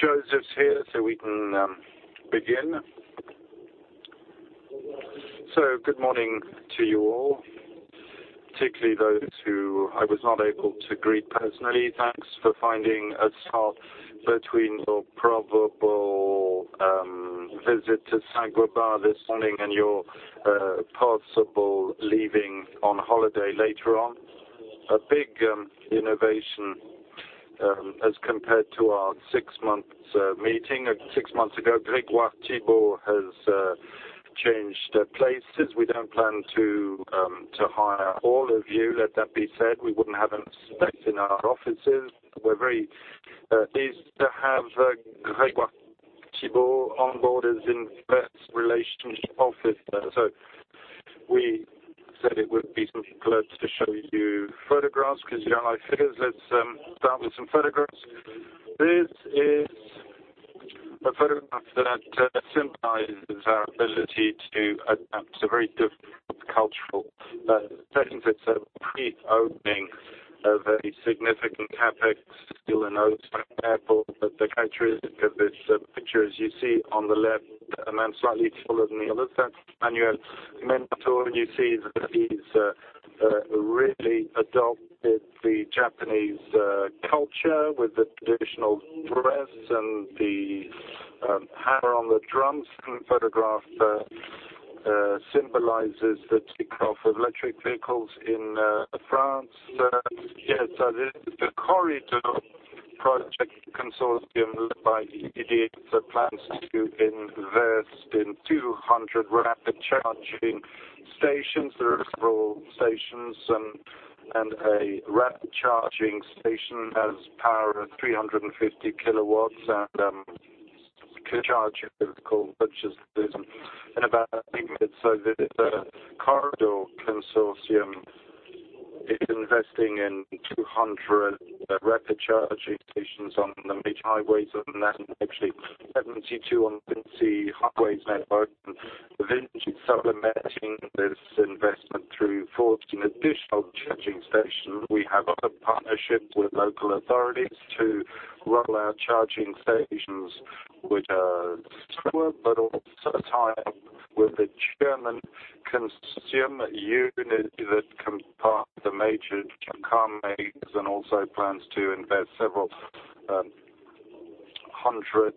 Joseph's here. We can begin. Good morning to you all, particularly those who I was not able to greet personally. Thanks for finding a spot between your probable visit to Saint-Gobain this morning and your possible leaving on holiday later on. A big innovation as compared to our six months meeting. Six months ago, Grégoire Thibault has changed places. We don't plan to hire all of you, let that be said. We wouldn't have enough space in our offices. We're very pleased to have Grégoire Thibault on board as Investor Relations Officer. We said it would be close to showing you photographs because you don't like figures. Let's start with some photographs. This is a photograph that symbolizes our ability to adapt to very different cultural settings. It's a pre-opening of a significant Catholic steel and oak temple. The characteristic of this picture, as you see on the left, a man slightly taller than the others. Your mentor, you see that he's really adopted the Japanese culture with the traditional dress and the hammer on the drums. The photograph symbolizes the takeoff of electric vehicles in France. This is the Corridor Project Consortium led by EDF that plans to invest in 200 rapid charging stations. There are several stations, and a rapid charging station has power of 350 kilowatts and can charge a vehicle such as this in about eight minutes. The Corridor Consortium is investing in 200 rapid charging stations on the major highways, and actually 72 on VINCI Highways network. Vinci supplementing this investment through 14 additional charging stations. We have other partnerships with local authorities to roll out charging stations, which are similar. Also tie up with the German consortium unit that can park the major car makes and also plans to invest several hundred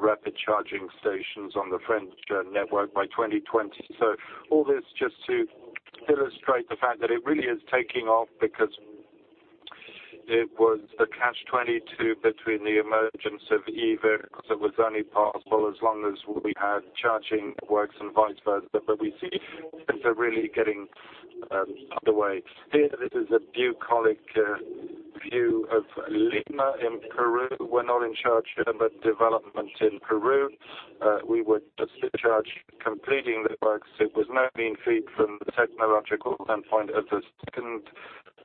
rapid charging stations on the French network by 2020. All this just to illustrate the fact that it really is taking off because it was a catch-22 between the emergence of e-vehicles that was only possible as long as we had charging works and vice versa. We see things are really getting underway. Here, this is a bucolic view of Lima in Peru. We're not in charge of the development in Peru. We were just in charge of completing the works. It was no mean feat from the technological standpoint of the second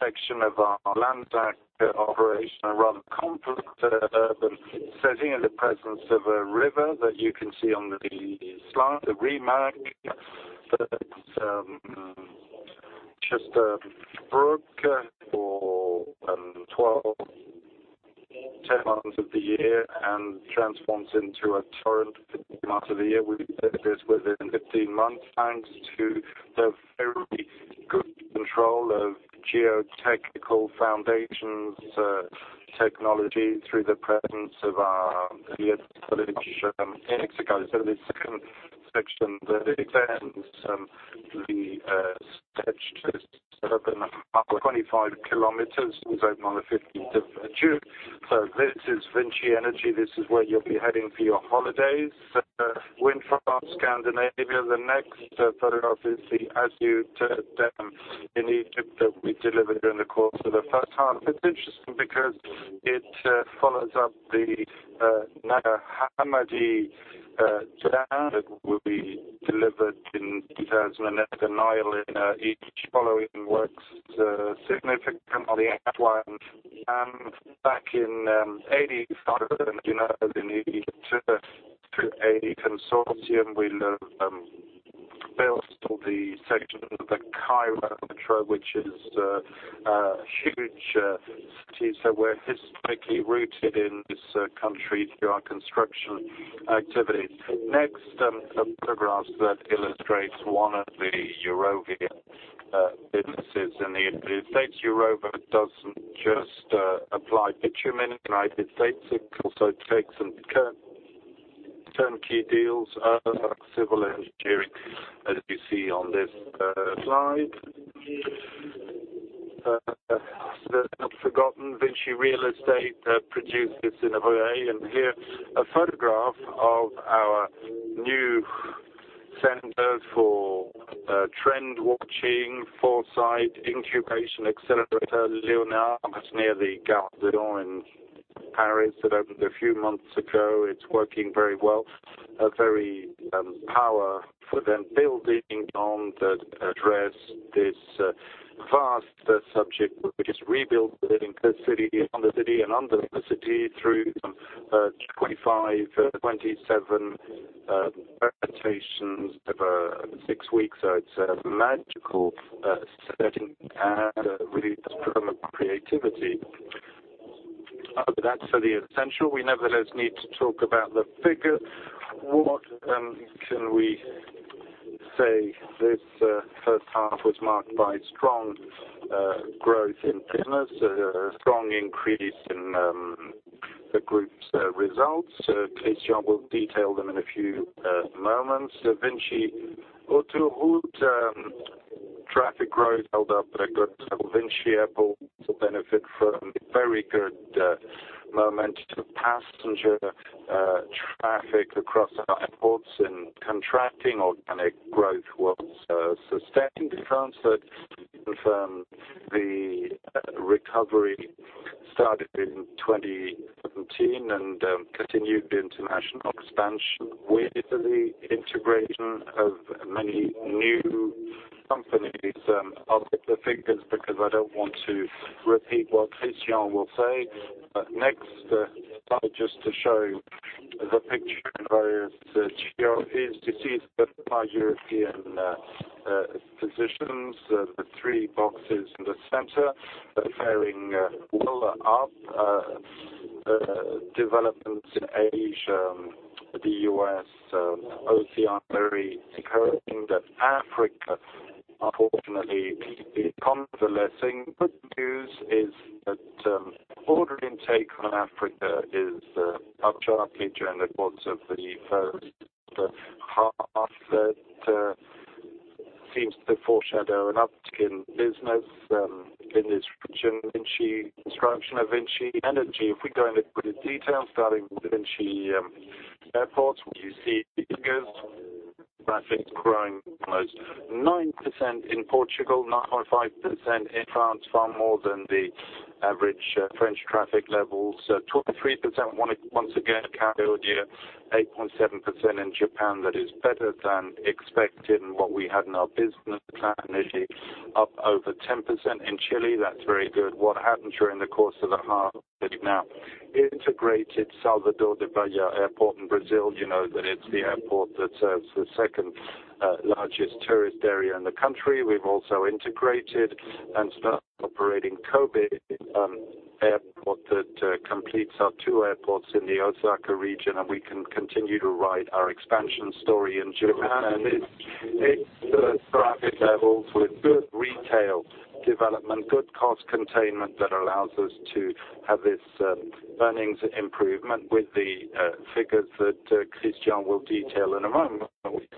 section of our land bank operation, a rather complex urban setting in the presence of a river that you can see on the slide, the Rímac. That is just a brook for 12, 10 months of the year and transforms into a torrent for two months of the year. We did this within 15 months, thanks to the very good control of geotechnical foundations technology through the presence of our affiliate Vinci in Mexico. The second section that extends the stretch to the southern part, 25 kilometers, was open on the 15th of June. This is VINCI Energies. This is where you'll be heading for your holidays. Winter from Scandinavia. The next photograph is the Assiut Dam in Egypt that we delivered during the course of the first half. It's interesting because it follows up the High Aswan Dam that we delivered in 2009. [inaudible] is significant on the outline. Back in 1985, as you know, as in Egypt, through a consortium, we built all the sections of the Cairo Metro, which is a huge city. We're historically rooted in this country through our construction activities. Next, a photograph that illustrates one of the Eurovia businesses in the U.S. Eurovia doesn't just apply bitumen in the U.S. It also takes on certain key deals, civil engineering, as you see on this slide. Still not forgotten, Vinci Real Estate produced this in a way, and here, a photograph of our new center for trend watching, foresight, incubation, accelerator, Léonard, that's near the Gare de Lyon in Paris. It opened a few months ago. It's working very well. A very powerful forum, building on that address, this vast subject, which is rebuild the living city, on the city and under the city through 25, 27 rotations over six weeks. It's a magical setting and really a spur for creativity. That's for the essential. We nevertheless need to talk about the figures. What can we say? This first half was marked by strong growth in business, a strong increase in the group's results. Christian will detail them in a few moments. VINCI Autoroutes traffic growth held up very good. VINCI Airports benefit from very good momentum. Passenger traffic across our airports in contracting organic growth was sustained. In France, the recovery started in 2017 and continued international expansion with the integration of many new companies. I'll skip the figures because I don't want to repeat what Christian will say. Next slide, just to show the picture in various geographies. You see the five European positions, the three boxes in the center are fairing well up. Developments in Asia, the U.S., OCE are very encouraging. Africa, unfortunately, keeps on faltering. Good news is that order intake on Africa is up sharply during the course of the first half. That seems to foreshadow an uptick in business in this region. VINCI Construction, VINCI Energies. If we go into further details starting with VINCI Airports, you see figures. Traffic growing almost 9% in Portugal, 9.5% in France, far more than the average French traffic levels. 23% once again, Canada. 8.7% in Japan. That is better than expected and what we had in our business plan. Italy, up over 10%. In Chile, that's very good. What happened during the course of the half that now integrated Salvador Bahia Airport in Brazil, you know that it's the airport that serves the second largest tourist area in the country. We've also integrated and started operating Kobe Airport. That completes our two airports in the Osaka region, and we can continue to write our expansion story in Japan. Its traffic levels with good retail development, good cost containment that allows us to have this earnings improvement with the figures that Christian will detail in a moment.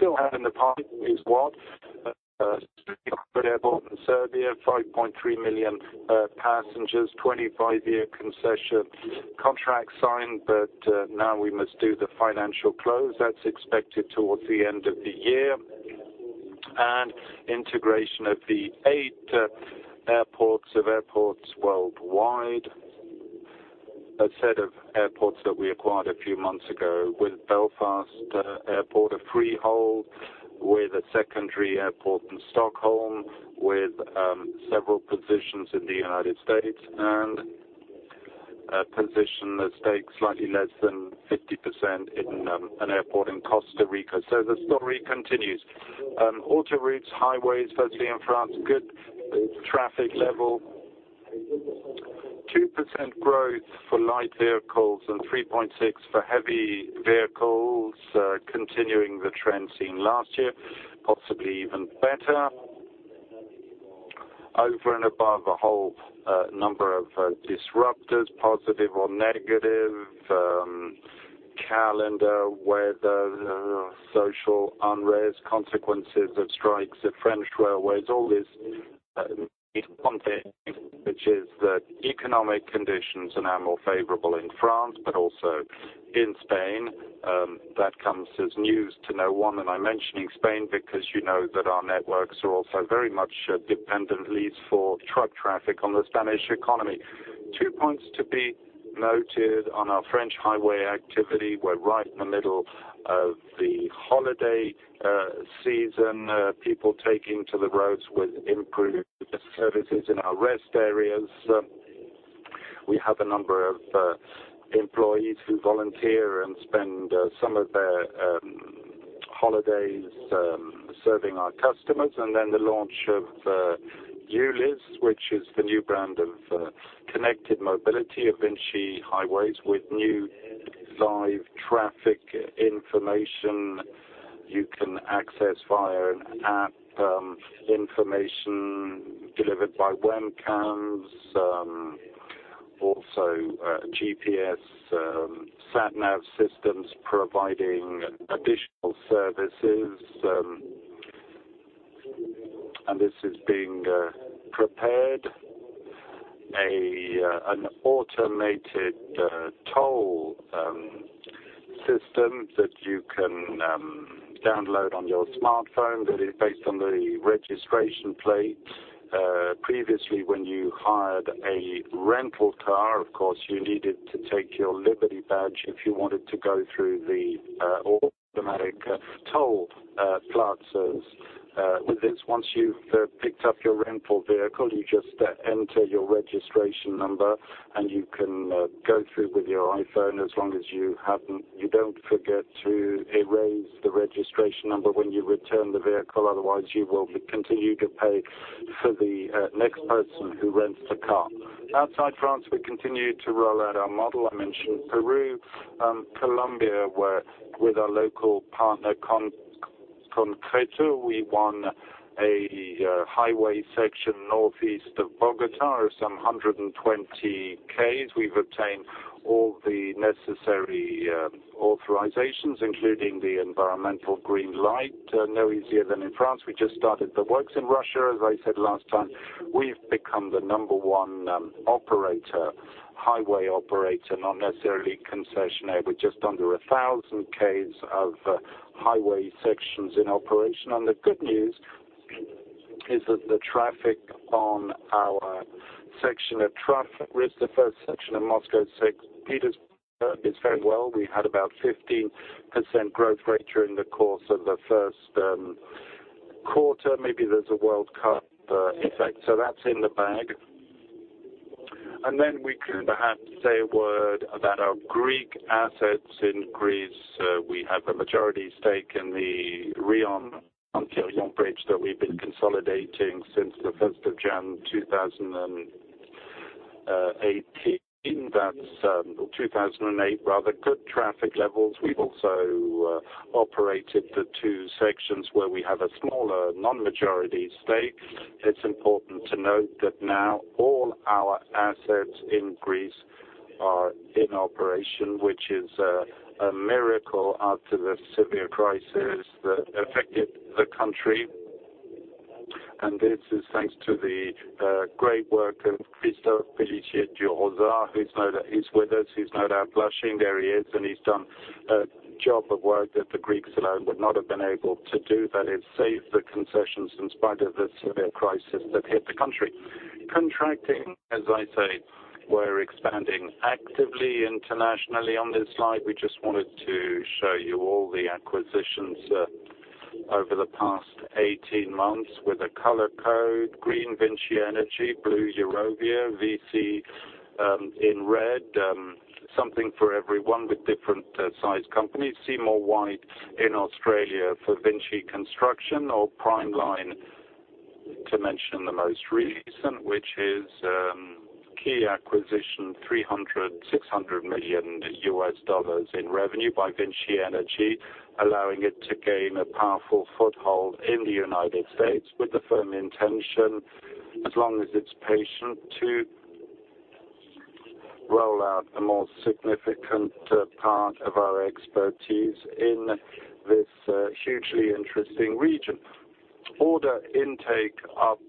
We still have in the pipe is what? Belgrade Airport in Serbia, 5.3 million passengers, 25-year concession contract signed, now we must do the financial close. That's expected towards the end of the year. Integration of the eight airports of Airports Worldwide. A set of airports that we acquired a few months ago with Belfast International Airport, a freehold with a secondary airport in Stockholm, with several positions in the U.S., and a position at stake, slightly less than 50% in an airport in Costa Rica. The story continues. autoroutes, highways, firstly in France, good traffic level. 2% growth for light vehicles and 3.6% for heavy vehicles, continuing the trend seen last year, possibly even better. Over and above a whole number of disruptors, positive or negative, calendar, weather, social unrest, consequences of strikes at French railways, all this which is that economic conditions are now more favorable in France but also in Spain. That comes as news to no one. I'm mentioning Spain because you know that our networks are also very much dependent, at least for truck traffic, on the Spanish economy. Two points to be noted on our French highway activity. We're right in the middle of the holiday season. People taking to the roads with improved services in our rest areas. We have a number of employees who volunteer and spend some of their holidays serving our customers. The launch of Ulys, which is the new brand of connected mobility of VINCI Highways with new live traffic information you can access via an app, information delivered by webcams. Also GPS, Sat Nav systems providing additional services. This is being prepared, an automated toll system that you can download on your smartphone that is based on the registration plate. Previously, when you hired a rental car, of course, you needed to take your Liber-t badge if you wanted to go through the automatic toll plazas. With this, once you've picked up your rental vehicle, you just enter your registration number and you can go through with your iPhone as long as you don't forget to erase the registration number when you return the vehicle. Otherwise, you will continue to pay for the next person who rents the car. Outside France, we continue to roll out our model. I mentioned Peru, Colombia, where with our local partner, Conconcreto, we won a highway section northeast of Bogotá, some 120 km. We've obtained all the necessary authorizations, including the environmental green light. No easier than in France. We just started the works in Russia. As I said last time, we've become the number 1 highway operator, not necessarily concessionaire, with just under 1,000 km of highway sections in operation. The good news is that the traffic on our section at the first section of Moscow, St. Petersburg, is very well. We had about 15% growth rate during the course of the first quarter. Maybe there's a World Cup effect. That's in the bag. We could perhaps say a word about our Greek assets. In Greece, we have a majority stake in the Rion-Antirion Bridge that we've been consolidating since the 1st of January 2018. That's 2008, rather. Good traffic levels. We've also operated the two sections where we have a smaller non-majority stake. It's important to note that now all our assets in Greece are in operation, which is a miracle after the severe crisis that affected the country. This is thanks to the great work of Christophe Pélissié du Rausas, who's with us. He's no doubt blushing. He's done a job of work that the Greeks alone would not have been able to do, that is save the concessions in spite of the severe crisis that hit the country. Contracting, as I say, we're expanding actively internationally. On this slide, we just wanted to show you all the acquisitions over the past 18 months with a color code. Green, VINCI Energies, blue, Eurovia, VC in red. Something for everyone with different size companies. Seymour Whyte in Australia for VINCI Construction or PrimeLine to mention the most recent, which is key acquisition $300 million-$600 million in revenue by VINCI Energies, allowing it to gain a powerful foothold in the U.S. with the firm intention, as long as it's patient, to roll out a more significant part of our expertise in this hugely interesting region. Order intake up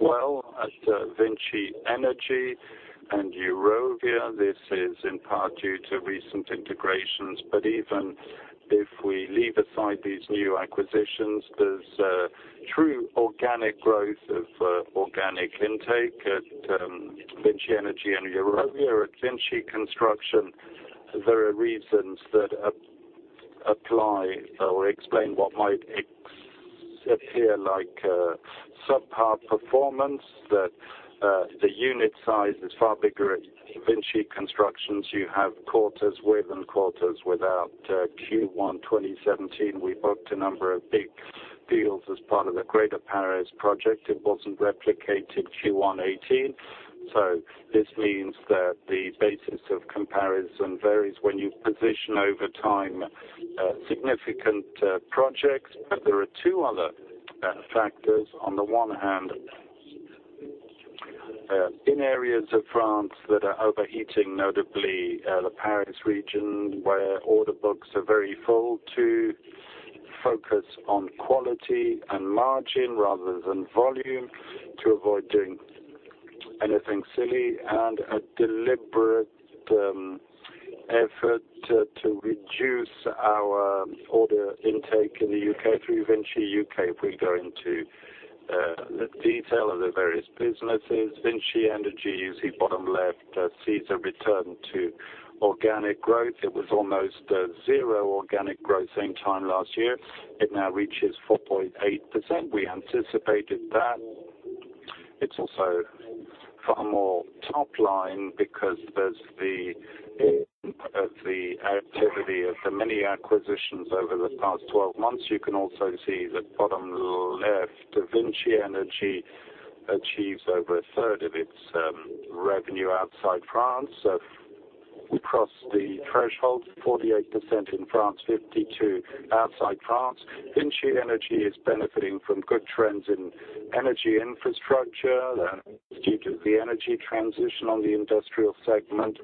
well at VINCI Energies and Eurovia. This is in part due to recent integrations, but even if we leave aside these new acquisitions, there's a true organic growth of organic intake at VINCI Energies and Eurovia. At VINCI Construction, there are reasons that apply or explain what might appear like a subpar performance, that the unit size is far bigger at VINCI Construction. You have quarters with and quarters without Q1 2017. We booked a number of big deals as part of the Greater Paris project. It wasn't replicated Q1 2018. This means that the basis of comparison varies when you position over time significant projects. There are two other factors. On the one hand, in areas of France that are overheating, notably the Paris region, where order books are very full, to focus on quality and margin rather than volume to avoid doing anything silly and a deliberate effort to reduce our order intake in the U.K. through VINCI U.K. If we go into the detail of the various businesses, VINCI Energies, you see bottom left, sees a return to organic growth. It was almost 0% organic growth same time last year. It now reaches 4.8%. We anticipated that. It's also far more top-line because there's the activity of the many acquisitions over the past 12 months. You can also see the bottom left, VINCI Energies achieves over a third of its revenue outside France. We crossed the threshold, 48% in France, 52% outside France. VINCI Energies is benefiting from good trends in energy infrastructure due to the energy transition on the industrial segment,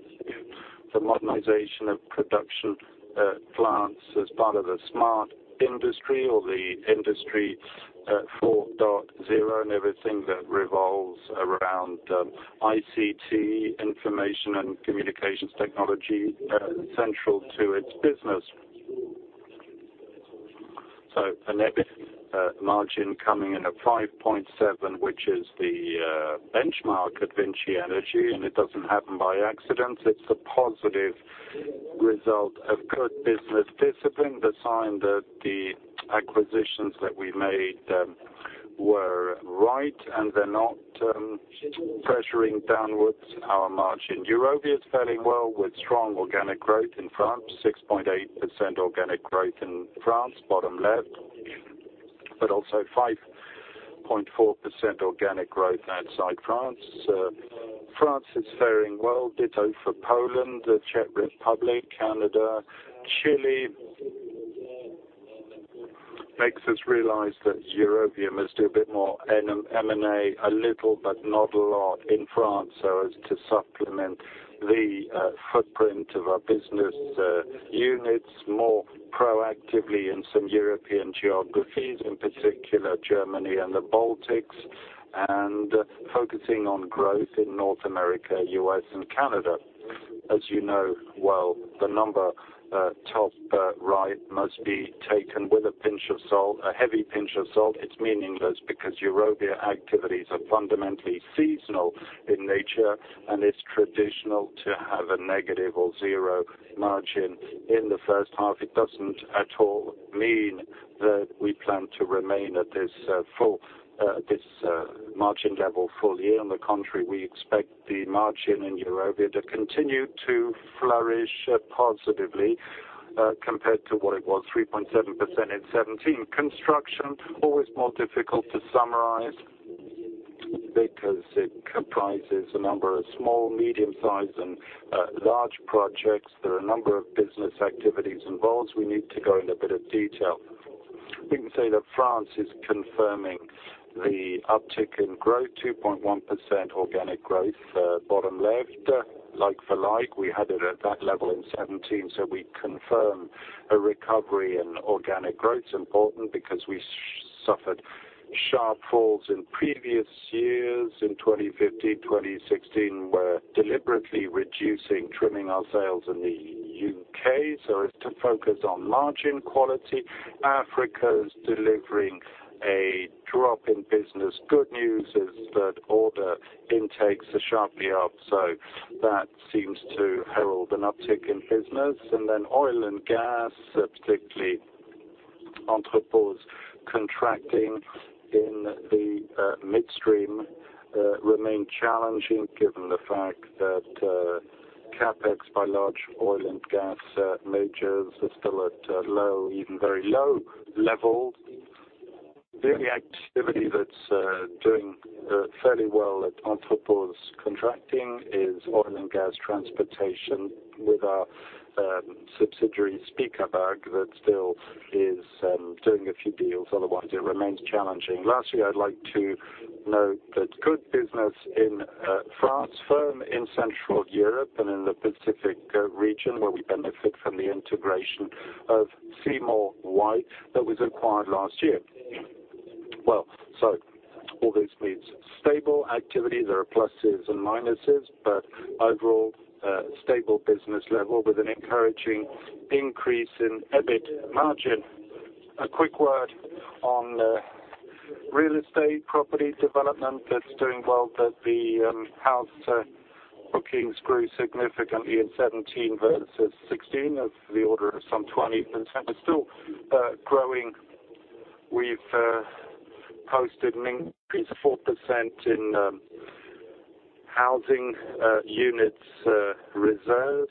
the modernization of production plants as part of the smart industry or the Industry 4.0 and everything that revolves around ICT, information and communications technology, central to its business. An EBIT margin coming in at 5.7%, which is the benchmark at VINCI Energies. It doesn't happen by accident. It's a positive result of good business discipline, the sign that the acquisitions that we made were right, they're not pressuring downwards our margin. Eurovia is fairly well, with strong organic growth in France, 6.8% organic growth in France, bottom left. Also 5.4% organic growth outside France. France is faring well, ditto for Poland, the Czech Republic, Canada. Chile makes us realize that Eurovia must do a bit more M&A, a little but not a lot in France, so as to supplement the footprint of our business units more proactively in some European geographies, in particular Germany and the Baltics, focusing on growth in North America, U.S., and Canada. As you know well, the number top right must be taken with a pinch of salt, a heavy pinch of salt. It's meaningless because Eurovia activities are fundamentally seasonal in nature, and it's traditional to have a negative or zero margin in the first half. It doesn't at all mean that we plan to remain at this margin level full year. On the contrary, we expect the margin in Eurovia to continue to flourish positively compared to what it was, 3.7% in 2017. Construction, always more difficult to summarize because it comprises a number of small, medium-sized, and large projects. There are a number of business activities involved. We need to go in a bit of detail. We can say that France is confirming the uptick in growth, 2.1% organic growth bottom left, like for like. We had it at that level in 2017, so we confirm a recovery in organic growth. It's important because we suffered sharp falls in previous years. In 2015, 2016, we're deliberately reducing, trimming our sales in the U.K. so as to focus on margin quality. Africa is delivering a drop in business. Good news is that order intakes are sharply up, so that seems to herald an uptick in business. Oil and gas, particularly Entrepose's contracting in the midstream remain challenging given the fact that CapEx by large oil and gas majors are still at low, even very low levels. The only activity that's doing fairly well at Entrepose's contracting is oil and gas transportation with our subsidiary, Spiecapag, that still is doing a few deals. Otherwise, it remains challenging. Lastly, I'd like to note that good business in France, firm in Central Europe and in the Pacific region, where we benefit from the integration of Seymour Whyte that was acquired last year. Well, all this means stable activity. There are pluses and minuses, overall, stable business level with an encouraging increase in EBIT margin. A quick word on real estate property development that's doing well, that the house bookings grew significantly in 2017 versus 2016 of the order of some 20%, but still growing. We've posted an increase of 4% in housing units reserved.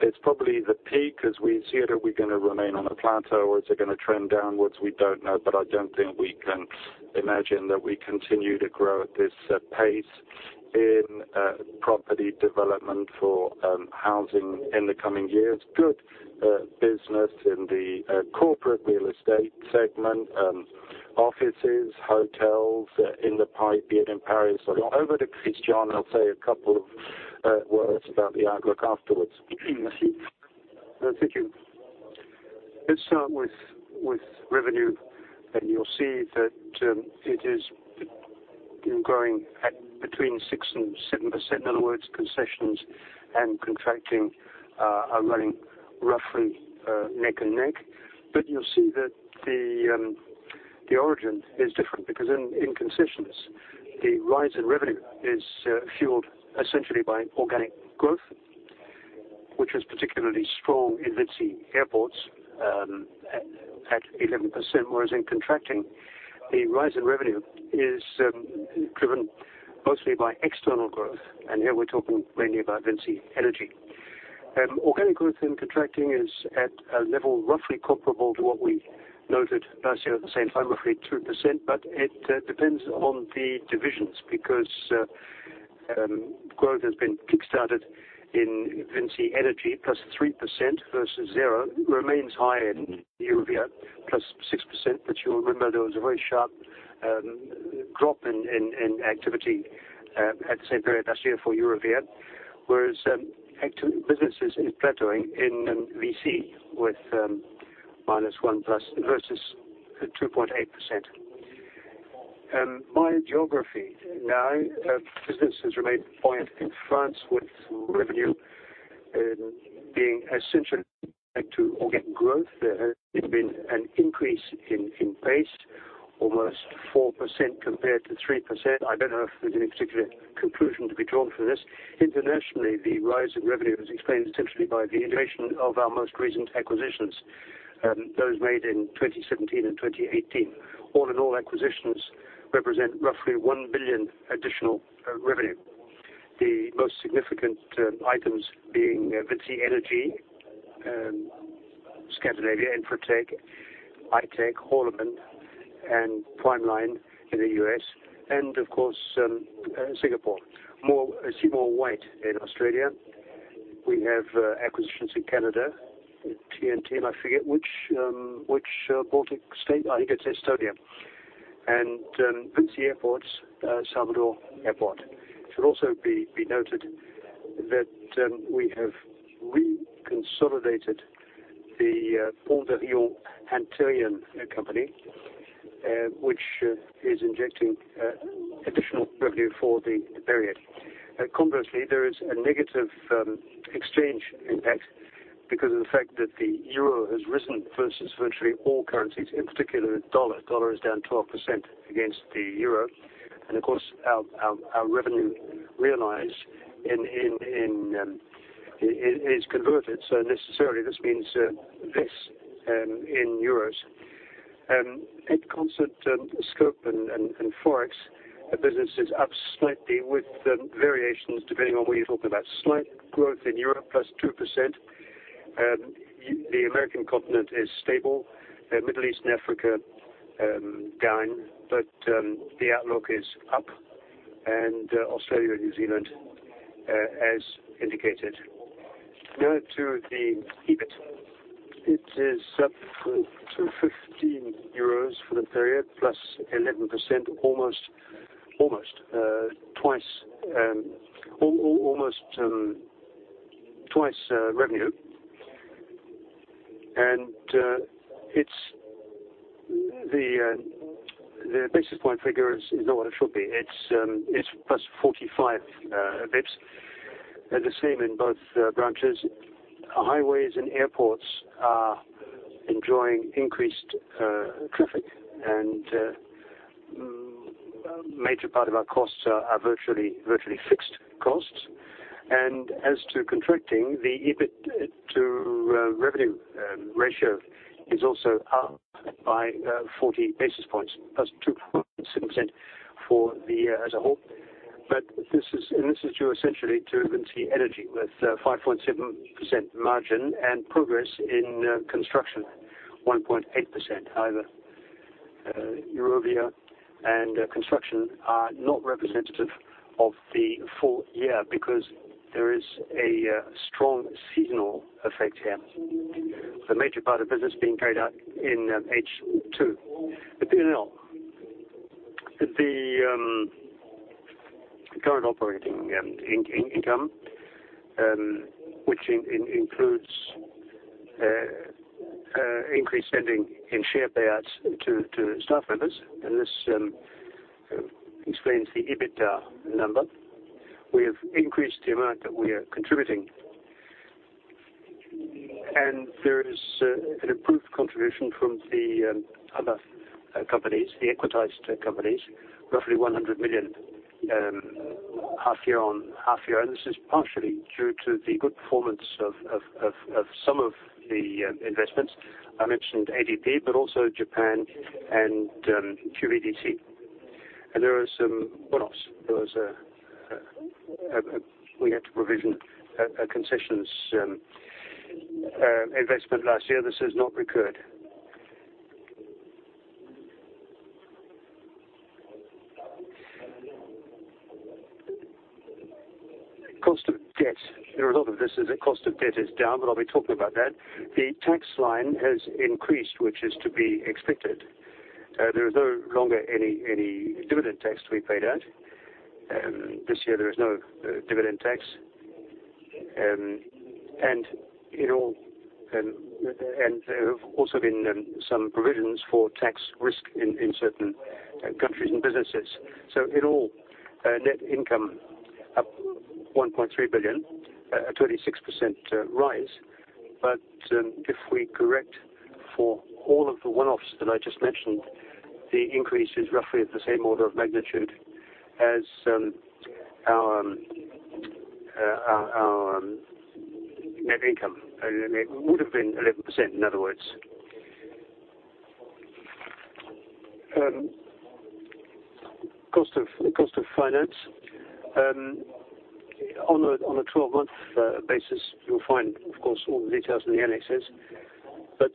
It's probably the peak as we see it. Are we going to remain on a plateau, or is it going to trend downwards? We don't know, I don't think we can imagine that we continue to grow at this pace in property development for housing in the coming years. Good business in the corporate real estate segment, offices, hotels in the pipe, be it in Paris or London. Over to Christian, I'll say a couple of words about the outlook afterwards. Thank you. Let's start with revenue, you'll see that it is growing at between 6% and 7%. In other words, Concessions and Contracting are running roughly neck and neck. You'll see that the origin is different because in Concessions, the rise in revenue is fueled essentially by organic growth, which is particularly strong in VINCI Airports at 11%, whereas in Contracting, the rise in revenue is driven mostly by external growth, here we're talking mainly about VINCI Energies. Organic growth in Contracting is at a level roughly comparable to what we noted last year at the same time, roughly 2%, but it depends on the divisions because growth has been kickstarted in VINCI Energies, +3% versus 0. Remains high in Eurovia, +6%, you'll remember there was a very sharp drop in activity at the same period last year for Eurovia, whereas business is plateauing in VINCI, with -1% versus 2.8%. By geography, business has remained buoyant in France, with revenue being essentially linked to organic growth. There has been an increase in pace, almost 4% compared to 3%. I don't know if there's any particular conclusion to be drawn from this. Internationally, the rise in revenue is explained essentially by the integration of our most recent acquisitions, those made in 2017 and 2018. All in all, acquisitions represent roughly 1 million additional revenue. The most significant items being VINCI Energies, Scandinavia, Infratek, Eitech, Horlemann, and PrimeLine in the U.S. and of course, Singapore. Seymour Whyte in Australia. We have acquisitions in Canada, TNT, I forget which Baltic state, I think it's Estonia. VINCI Airports, Salvador Airport. It should also be noted that we have reconsolidated the Port of Kingston company, which is injecting additional revenue for the period. Conversely, there is a negative exchange impact because of the fact that the euro has risen versus virtually all currencies, in particular the dollar. Dollar is down 12% against the euro. Of course, our revenue realized is converted, so necessarily this means this in euros. At constant scope and Forex, the business is up slightly with variations depending on where you're talking about. Slight growth in Europe, +2%. The American continent is stable. Middle East and Africa, down. The outlook is up and Australia and New Zealand, as indicated. Now to the EBIT. It is up to 15 euros for the period, +11%, almost twice revenue. The basis point figure is not what it should be. It's +45 basis points. The same in both branches. Highways and airports are enjoying increased traffic, major part of our costs are virtually fixed costs. As to contracting, the EBIT to revenue ratio is also up by 40 basis points, +2.7% for the year as a whole. This is due essentially to VINCI Energies with 5.7% margin and progress in construction, 1.8%. However, Eurovia and Construction are not representative of the full year because there is a strong seasonal effect here. The major part of business being carried out in H2. The P&L. The current operating income, which includes increased spending in share payouts to staff members, this explains the EBITDA number. We have increased the amount that we are contributing. There is an improved contribution from the other companies, the equitized companies, roughly 100 million half year on half year. This is partially due to the good performance of some of the investments. I mentioned ADP, but also Japan and QDVC. There are some one-offs. We had to provision a concessions investment last year. This has not recurred. Cost of debt. The result of this is that cost of debt is down, but I'll be talking about that. The tax line has increased, which is to be expected. There is no longer any dividend tax to be paid out. This year, there is no dividend tax. There have also been some provisions for tax risk in certain countries and businesses. In all, net income up 1.3 billion, a 26% rise. If we correct for all of the one-offs that I just mentioned, the increase is roughly the same order of magnitude as our net income. It would have been 11%, in other words. Cost of finance. On a 12-month basis, you'll find, of course, all the details in the annexes,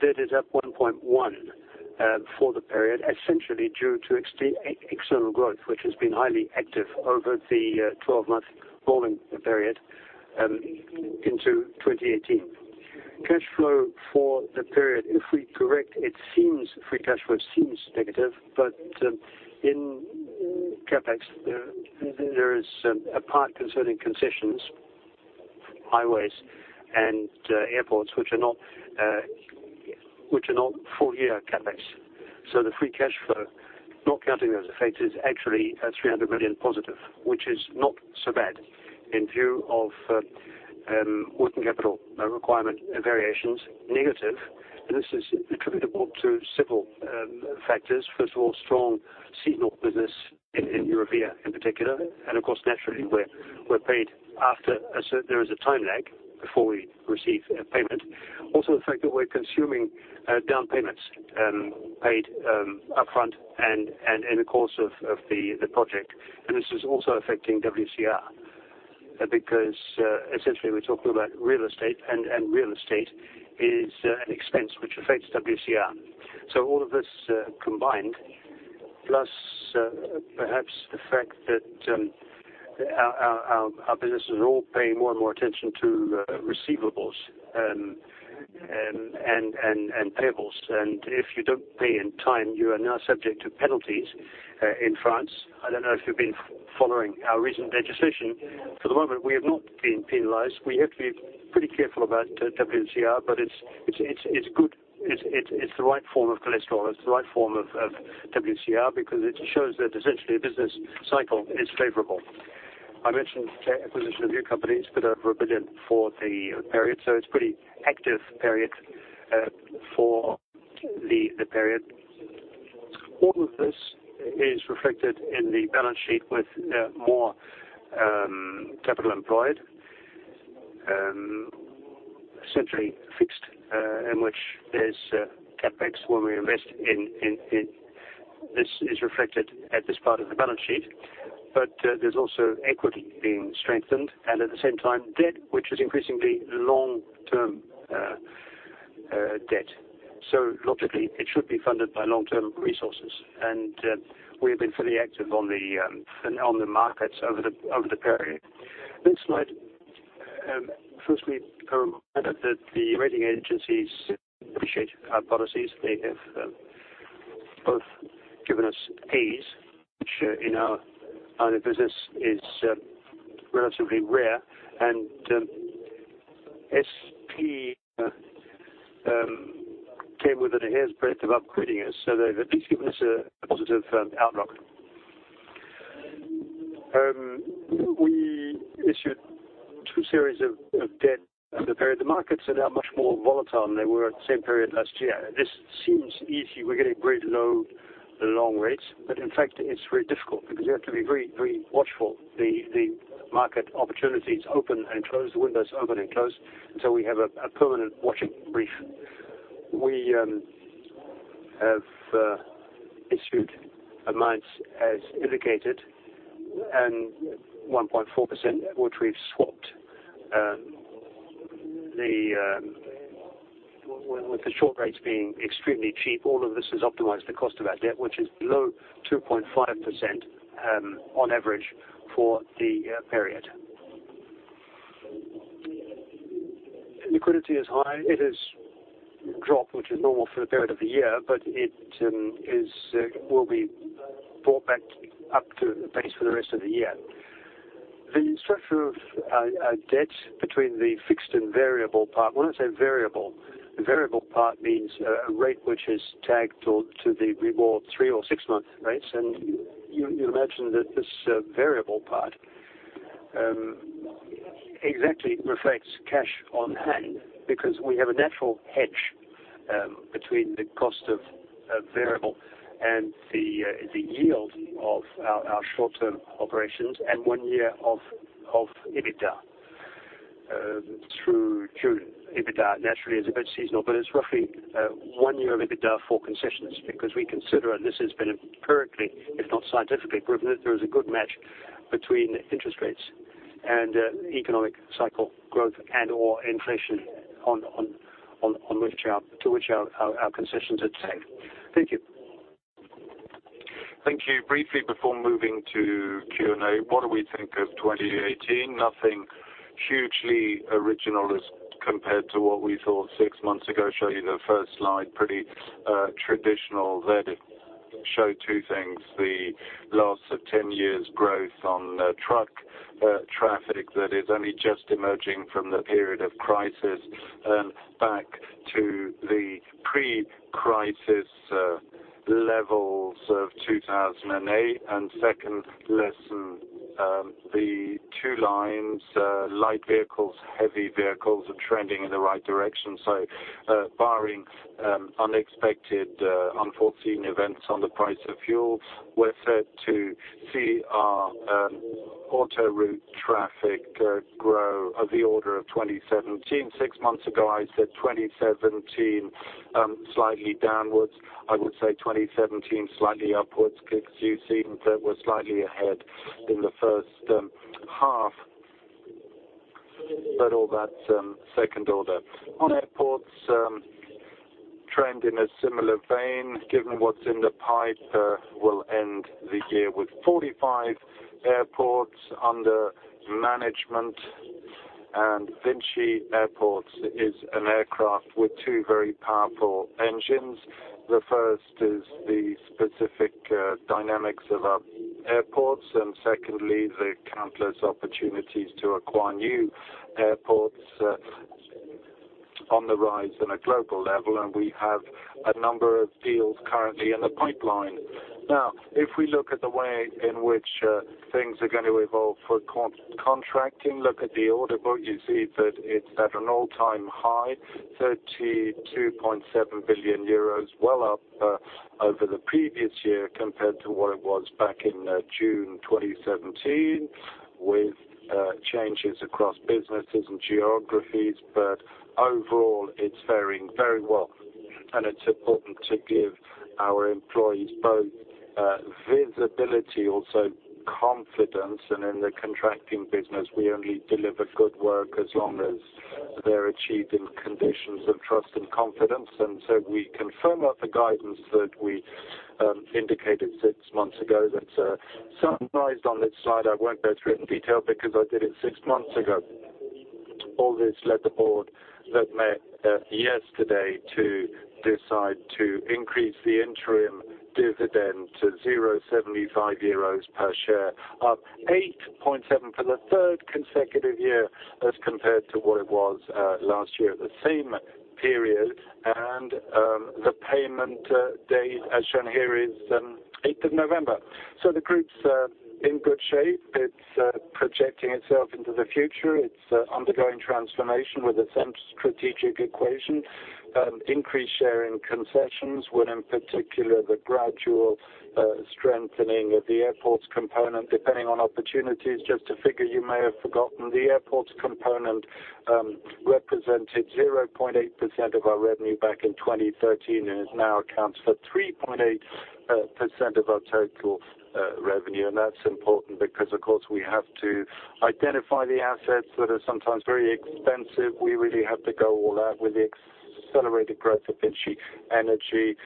debt is up 1.1 billion for the period, essentially due to external growth, which has been highly active over the 12-month rolling period into 2018. Cash flow for the period. If we correct, free cash flow seems negative. In CapEx, there is a part concerning concessions, highways, and airports, which are not full-year CapEx. The free cash flow, not counting those effects, is actually 300 million positive, which is not so bad. In view of working capital requirement variations, negative. This is attributable to several factors. First of all, strong seasonal business in Eurovia in particular. Of course, naturally, there is a time lag before we receive payment. Also the fact that we're consuming down payments paid upfront and in the course of the project. This is also affecting WCR, because, essentially, we're talking about real estate, and real estate is an expense which affects WCR. All of this combined, plus perhaps the fact that our businesses are all paying more and more attention to receivables and payables, and if you don't pay in time, you are now subject to penalties in France. I don't know if you've been following our recent legislation. For the moment, we have not been penalized. We have to be pretty careful about WCR, it's good. It's the right form of cholesterol. It's the right form of WCR because it shows that essentially business cycle is favorable. I mentioned the acquisition of new companies for over 1 billion for the period, it's pretty active period for the period. All of this is reflected in the balance sheet with more capital employed, essentially fixed, in which there's CapEx when we invest. This is reflected at this part of the balance sheet. There's also equity being strengthened and at the same time, debt, which is increasingly long-term debt. Logically, it should be funded by long-term resources. We have been fully active on the markets over the period. Next slide. Firstly, a reminder that the rating agencies appreciate our policies. They have both given us A's, which in our line of business is relatively rare, S&P came with an enhanced predictive of upgrading us. They've at least given us a positive outlook. We issued two series of debt over the period. The markets are now much more volatile than they were at the same period last year. This seems easy. We're getting great low long rates, but in fact it's very difficult because you have to be very watchful. The market opportunities open and close, windows open and close. We have a permanent watching brief. We have issued amounts as indicated, and 1.4% which we've swapped. With the short rates being extremely cheap, all of this has optimized the cost of our debt, which is below 2.5% on average for the period. Liquidity is high. It has dropped, which is normal for the period of the year, but it will be brought back up to pace for the rest of the year. The structure of debt between the fixed and variable part. When I say variable, the variable part means a rate which is tagged to the Libor three or six-month rates. You imagine that this variable part exactly reflects cash on hand because we have a natural hedge between the cost of variable and the yield of our short-term operations and one year of EBITDA through June. EBITDA naturally is a bit seasonal, but it's roughly one year of EBITDA for concessions because we consider, and this has been empirically, if not scientifically proven, that there is a good match between interest rates and economic cycle growth and/or inflation to which our concessions are taken. Thank you. Thank you. Briefly before moving to Q&A, what do we think of 2018? Nothing hugely original as compared to what we thought six months ago. Show you the first slide, pretty traditional that it showed two things, the last of 10 years growth on truck traffic that is only just emerging from the period of crisis, and back to the pre-crisis levels of 2008. Second lesson, the two lines, light vehicles, heavy vehicles, are trending in the right direction. Barring unexpected unforeseen events on the price of fuel, we're set to see our autoroute traffic grow of the order of 2017. Six months ago, I said 2017 slightly downwards. I would say 2017 slightly upwards because you've seen that we're slightly ahead in the first half. All that's second order. On airports, trend in a similar vein, given what's in the pipe, will end the year with 45 airports under management. Vinci Airports is an aircraft with two very powerful engines. The first is the specific dynamics of our airports, and secondly, the countless opportunities to acquire new airports on the rise in a global level, and we have a number of deals currently in the pipeline. If we look at the way in which things are going to evolve for contracting, look at the order book, you see that it's at an all-time high, 32.7 billion euros, well up over the previous year compared to what it was back in June 2017, with changes across businesses and geographies. Overall, it's faring very well. It's important to give our employees both visibility, also confidence. In the contracting business, we only deliver good work as long as they're achieved in conditions of trust and confidence. We confirm the guidance that we indicated six months ago that summarized on this slide. I won't go through it in detail because I did it six months ago. All this led the board that met yesterday to decide to increase the interim dividend to 0.75 euros per share, up 8.7 for the third consecutive year as compared to what it was last year at the same period, and the payment date, as shown here, is 8th of November. The group's in good shape. It's projecting itself into the future. It's undergoing transformation with the same strategic equation, increased share in concessions with, in particular, the gradual strengthening of the airports component depending on opportunities. Just a figure you may have forgotten, the airports component represented 0.8% of our revenue back in 2013 and it now accounts for 3.8% of our total revenue. That's important because, of course, we have to identify the assets that are sometimes very expensive. We really have to go all out with the accelerated growth of VINCI Energies,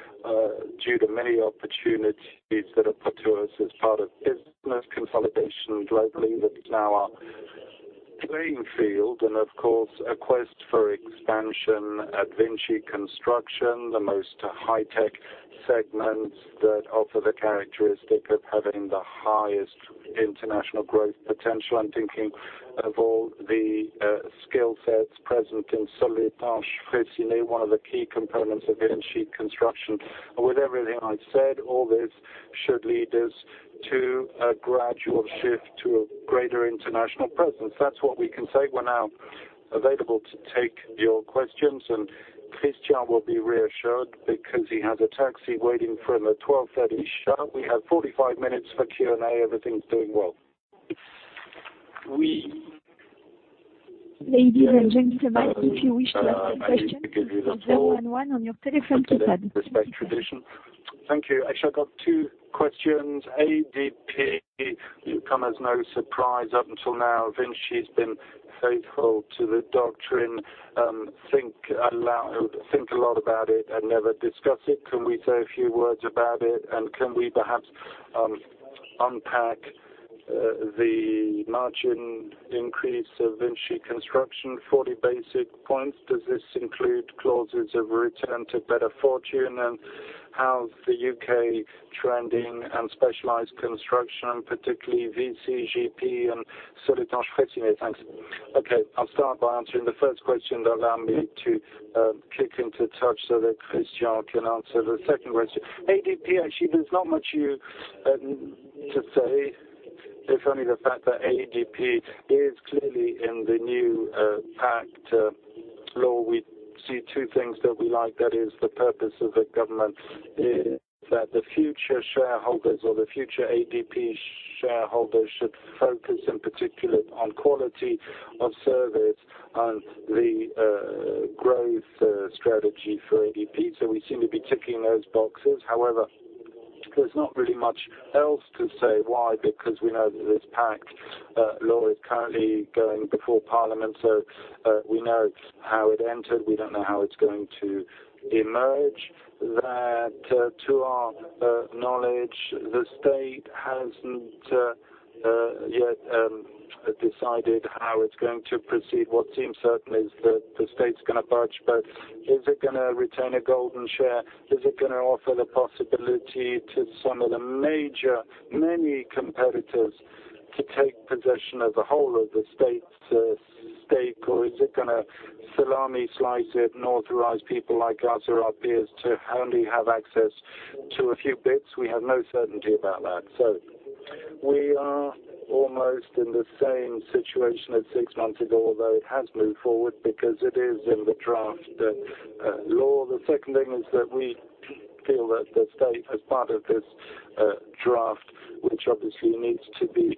due to many opportunities that are put to us as part of business consolidation globally, that is now our playing field. Of course, a quest for expansion at VINCI Construction, the most high-tech segments that offer the characteristic of having the highest international growth potential. I'm thinking of all the skill sets present in one of the key components of VINCI Construction. With everything I've said, all this should lead us to a gradual shift to a greater international presence. That's what we can say. We're now available to take your questions, Christian will be reassured because he has a taxi waiting for the 12:30 show. We have 45 minutes for Q&A. Everything's doing well. Ladies and gentlemen, if you wish to ask a question, dial one on your telephone keypad. Thank you. Actually, I've got two questions. ADP, it comes as no surprise up until now, Vinci has been faithful to the doctrine. Think a lot about it and never discuss it. Can we say a few words about it, and can we perhaps unpack the margin increase of VINCI Construction, 40 basis points? Does this include clauses of return to better fortune? How's the U.K. trending and specialized construction, particularly VCGP and? Thanks. Okay, I'll start by answering the first question and allow me to kick into touch so that Christian can answer the second question. ADP, actually, there's not much to say, if only the fact that ADP is clearly in the new PACTE law. We see two things that we like, that is, the purpose of the government, is that the future shareholders or the future ADP shareholders should focus in particular on quality of service and the growth strategy for ADP. We seem to be ticking those boxes. However, there's not really much else to say. Why? Because we know that this PACTE law is currently going before Parliament, we know how it entered. We don't know how it's going to emerge. To our knowledge, the state hasn't yet decided how it's going to proceed. What seems certain is that the state is going to barge, but is it going to retain a golden share? Is it going to offer the possibility to some of the major, many competitors to take possession of the whole of the state's stake, or is it going to salami slice it and authorize people like us or our peers to only have access to a few bits? We have no certainty about that. We are almost in the same situation as six months ago, although it has moved forward because it is in the draft law. The second thing is that we feel that the state, as part of this draft, which obviously needs to be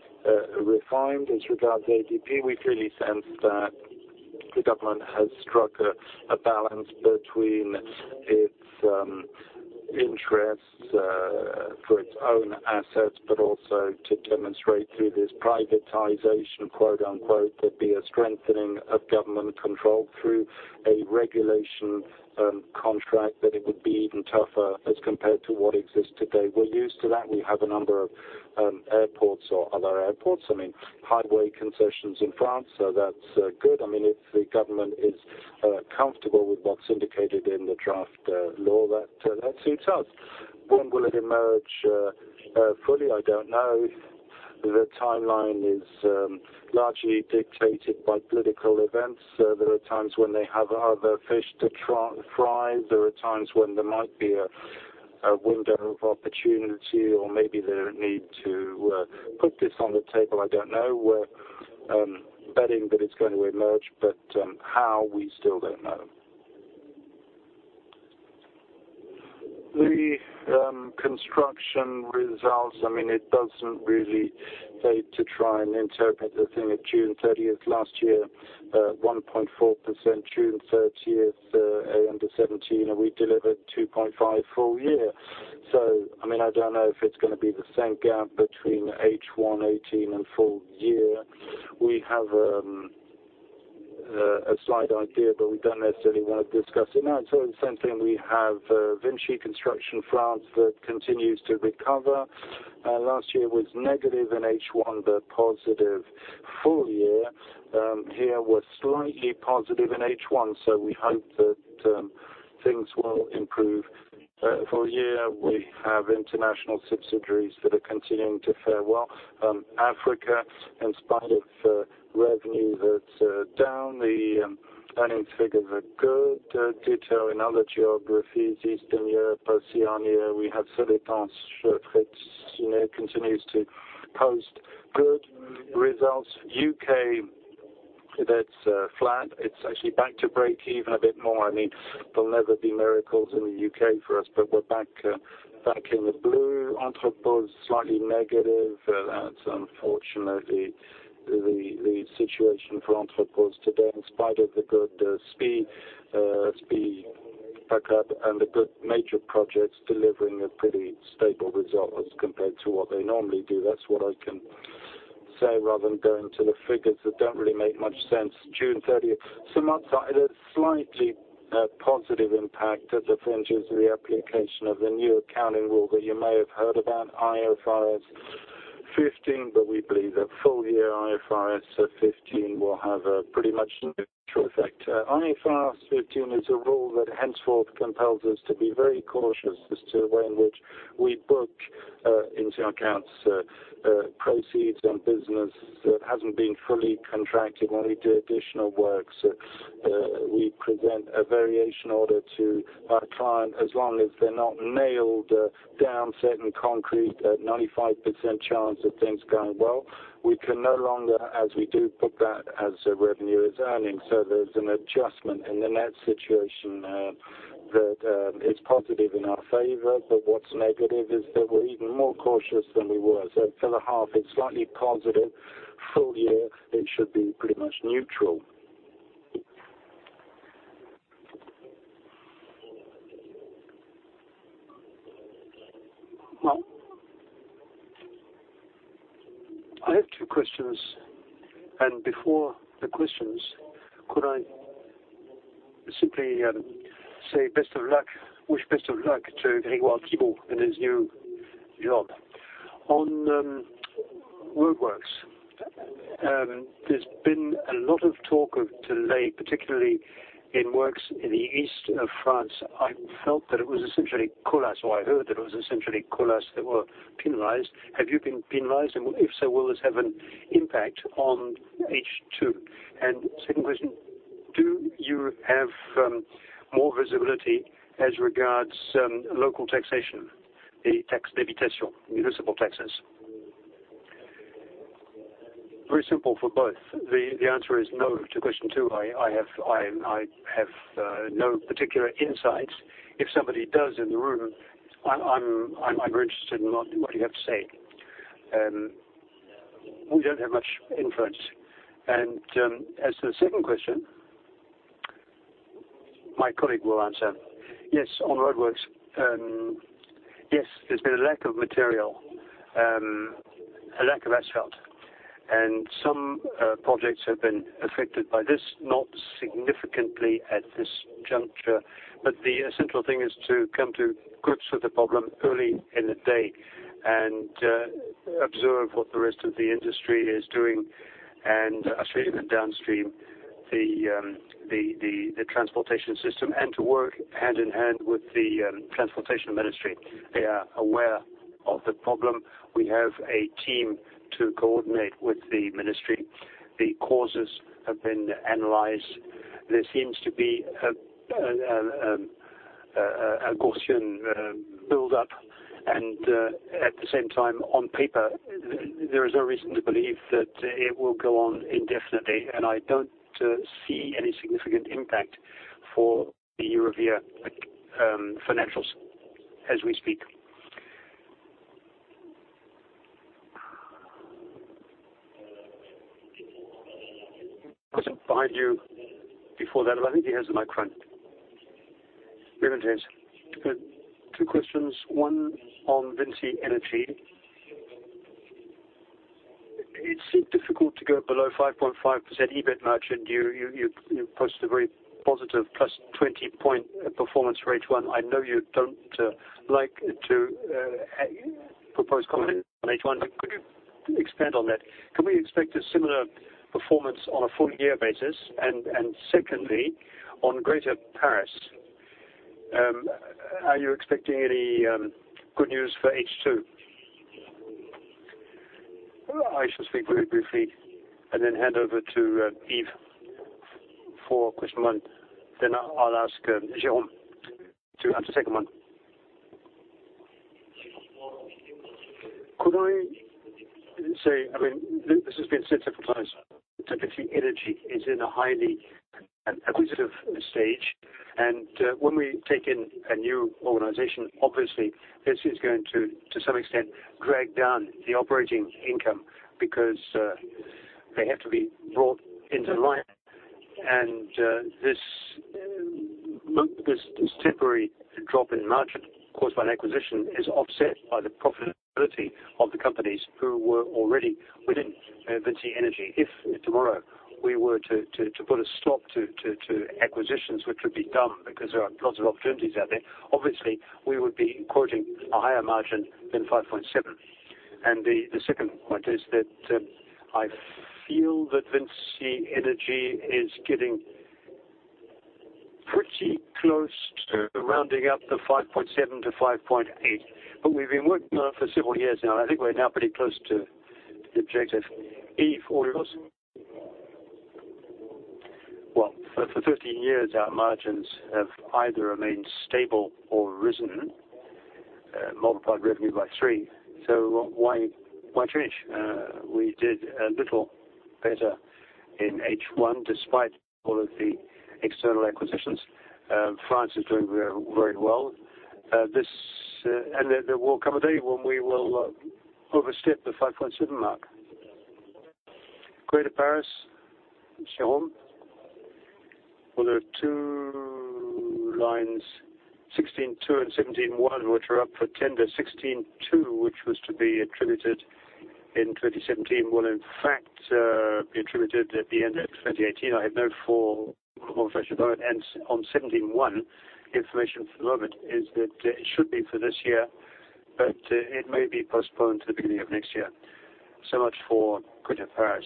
refined as regards ADP, we clearly sense that the government has struck a balance between its interests for its own assets, also to demonstrate through this privatization, quote-unquote, there would be a strengthening of government control through a regulation contract that it would be even tougher as compared to what exists today. We're used to that. We have a number of airports or other airports, I mean, highway concessions in France, that's good. If the government is comfortable with what's indicated in the draft law, that suits us. When will it emerge fully? I don't know. The timeline is largely dictated by political events. There are times when they have other fish to fry. There are times when there might be a window of opportunity, or maybe they don't need to put this on the table. I don't know. We're betting that it's going to emerge, but how? We still don't know. The construction results, it doesn't really pay to try and interpret the thing of June 30th last year, 1.4% June 30th under 2017, we delivered 2.5% full year. I don't know if it's going to be the same gap between H1 2018 and full year. We have a slight idea, but we don't necessarily want to discuss it now. The same thing, we have VINCI Construction France that continues to recover. Last year was negative in H1, but positive full year. Here, we're slightly positive in H1, so we hope that things will improve. Full year, we have international subsidiaries that are continuing to fare well. Africa, in spite of revenue that's down, the earnings figures are good. Ditto in other geographies, Eastern Europe, Oceania. We have continues to post good results. U.K., that's flat. It's actually back to break even a bit more. There'll never be miracles in the U.K. for us, but we're back in the blue. Entrepose's slightly negative. That's unfortunately the situation for Entrepose today, in spite of the good speed back up and the good major projects delivering a pretty stable result as compared to what they normally do. That's what I can say rather than going to the figures that don't really make much sense. June 30th, somewhat a slightly positive impact as a function of the application of the new accounting rule that you may have heard about, IFRS 15, but we believe that full year IFRS 15 will have a pretty much neutral effect. IFRS 15 is a rule that henceforth compels us to be very cautious as to the way in which we book into our accounts proceeds on business that hasn't been fully contracted. When we do additional work, we present a variation order to our client, as long as they're not nailed down set in concrete, a 95% chance of things going well, we can no longer as we do, book that as revenue, as earnings. There's an adjustment in the net situation that is positive in our favor. What's negative is that we're even more cautious than we were. For the half, it's slightly positive. Full year, it should be pretty much neutral. I have two questions, before the questions, could I simply wish best of luck to Grégoire Thibault in his new job. On roadworks, there's been a lot of talk of delay, particularly in works in the east of France. I felt that it was essentially Colas, or I heard that it was essentially Colas that were penalized. Have you been penalized, and if so, will this have an impact on H2? Second question, do you have more visibility as regards local taxation, the taxe d'habitation, municipal taxes? Very simple for both. The answer is no to question two. I have no particular insight. If somebody does in the room, I'm very interested in what you have to say. We don't have much influence. As to the second question, my colleague will answer. Yes, on roadworks. Yes, there's been a lack of material, a lack of asphalt. Some projects have been affected by this, not significantly at this juncture. The central thing is to come to grips with the problem early in the day and observe what the rest of the industry is doing upstream and downstream the transportation system, and to work hand in hand with the Transportation Ministry. They are aware of the problem. We have a team to coordinate with the ministry. The causes have been analyzed. There seems to be a Gaussian build-up. At the same time, on paper, there is no reason to believe that it will go on indefinitely. I don't see any significant impact for the Eurovia financials as we speak. Person behind you before that. I think he has the mic right. Two questions, one on VINCI Energies. It seemed difficult to go below 5.5% EBIT margin. You posted a very positive plus 20-point performance for H1. I know you don't like to propose comments on H1. Could you expand on that? Can we expect a similar performance on a full year basis? Secondly, on Greater Paris, are you expecting any good news for H2? I shall speak very briefly. Hand over to Yves for question one. I'll ask Jérôme to answer the second one. When we take in a new organization, obviously, this is going to some extent, drag down the operating income because they have to be brought into line. And this temporary drop in margin caused by an acquisition is offset by the profitability of the companies who were already within Vinci Energies. If tomorrow we were to put a stop to acquisitions, which would be dumb, because there are lots of opportunities out there, obviously, we would be quoting a higher margin than 5.7. The second point is that, I feel that Vinci Energies is getting pretty close to rounding up the 5.7 to 5.8. But we've been working on it for several years now, and I think we're now pretty close to the objective. Yves, want to add something? Well, for 15 years, our margins have either remained stable or risen, multiplied revenue by three. Why change? We did a little better in H1, despite all of the external acquisitions. France is doing very well. There will come a day when we will overstep the 5.7 mark. Greater Paris, Jérôme. Well, there are 2 lines, 16.2 and 17.1, which are up for tender. 16.2, which was to be attributed in 2017, will in fact be attributed at the end of 2018. I have no more fresh about it. And on 17.1, information from Robert is that it should be for this year, but it may be postponed to the beginning of next year. Much for Greater Paris.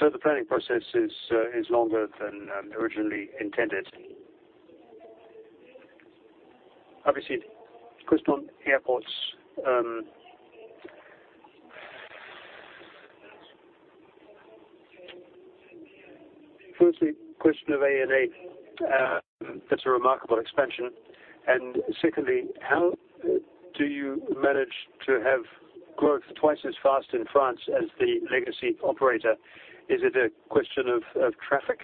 The planning process is longer than originally intended. Vinci Airports. Firstly, question of ANA. That's a remarkable expansion. Secondly, how do you manage to have growth 2 times as fast in France as the legacy operator? Is it a question of traffic?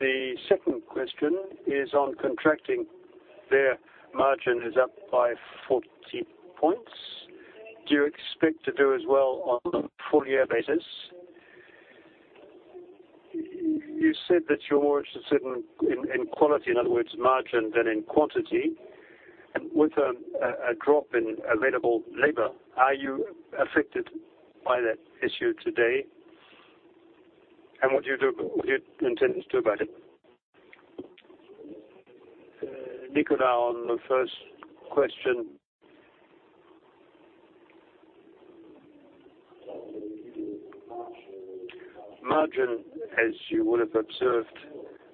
The second question is on contracting. Their margin is up by 40 points. Do you expect to do as well on a full year basis? You said that you're more interested in quality, in other words, margin than in quantity. With a drop in available labor, are you affected by that issue today, and what do you intend to do about it? Nicolas, on the first question. Margins, as you would have observed,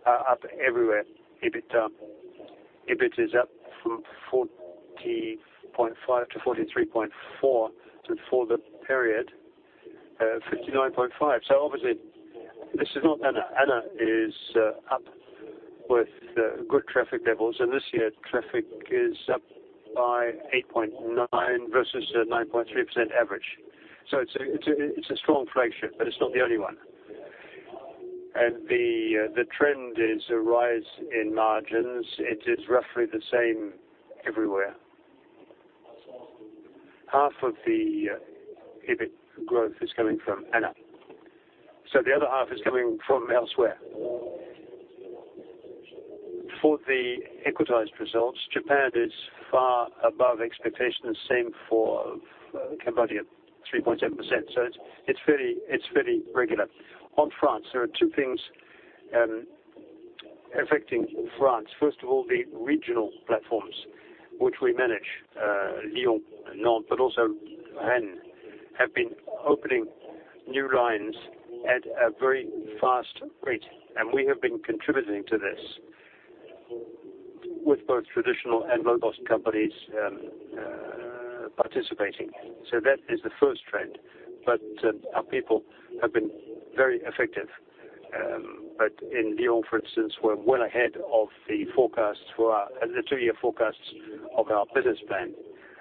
are up everywhere. EBIT is up from 40.5 to 43.4, and for the period, 59.5. Obviously, this is not ANA. ANA is up with good traffic levels. This year traffic is up by 8.9% versus a 9.3% average. It's a strong flagship, but it's not the only one. The trend is a rise in margins. It is roughly the same everywhere. Half of the EBIT growth is coming from ANA, the other half is coming from elsewhere. For the equitized results, Japan is far above expectation, and same for Cambodia, 3.7%. It's very regular. On France, there are 2 things affecting France. First of all, the regional platforms, which we manage, Lyon, Nantes, but also Rennes, have been opening new lines at a very fast rate. We have been contributing to this with both traditional and low-cost companies participating. That is the first trend. Our people have been very effective. But in Lyon, for instance, we're well ahead of the 2-year forecasts of our business plan.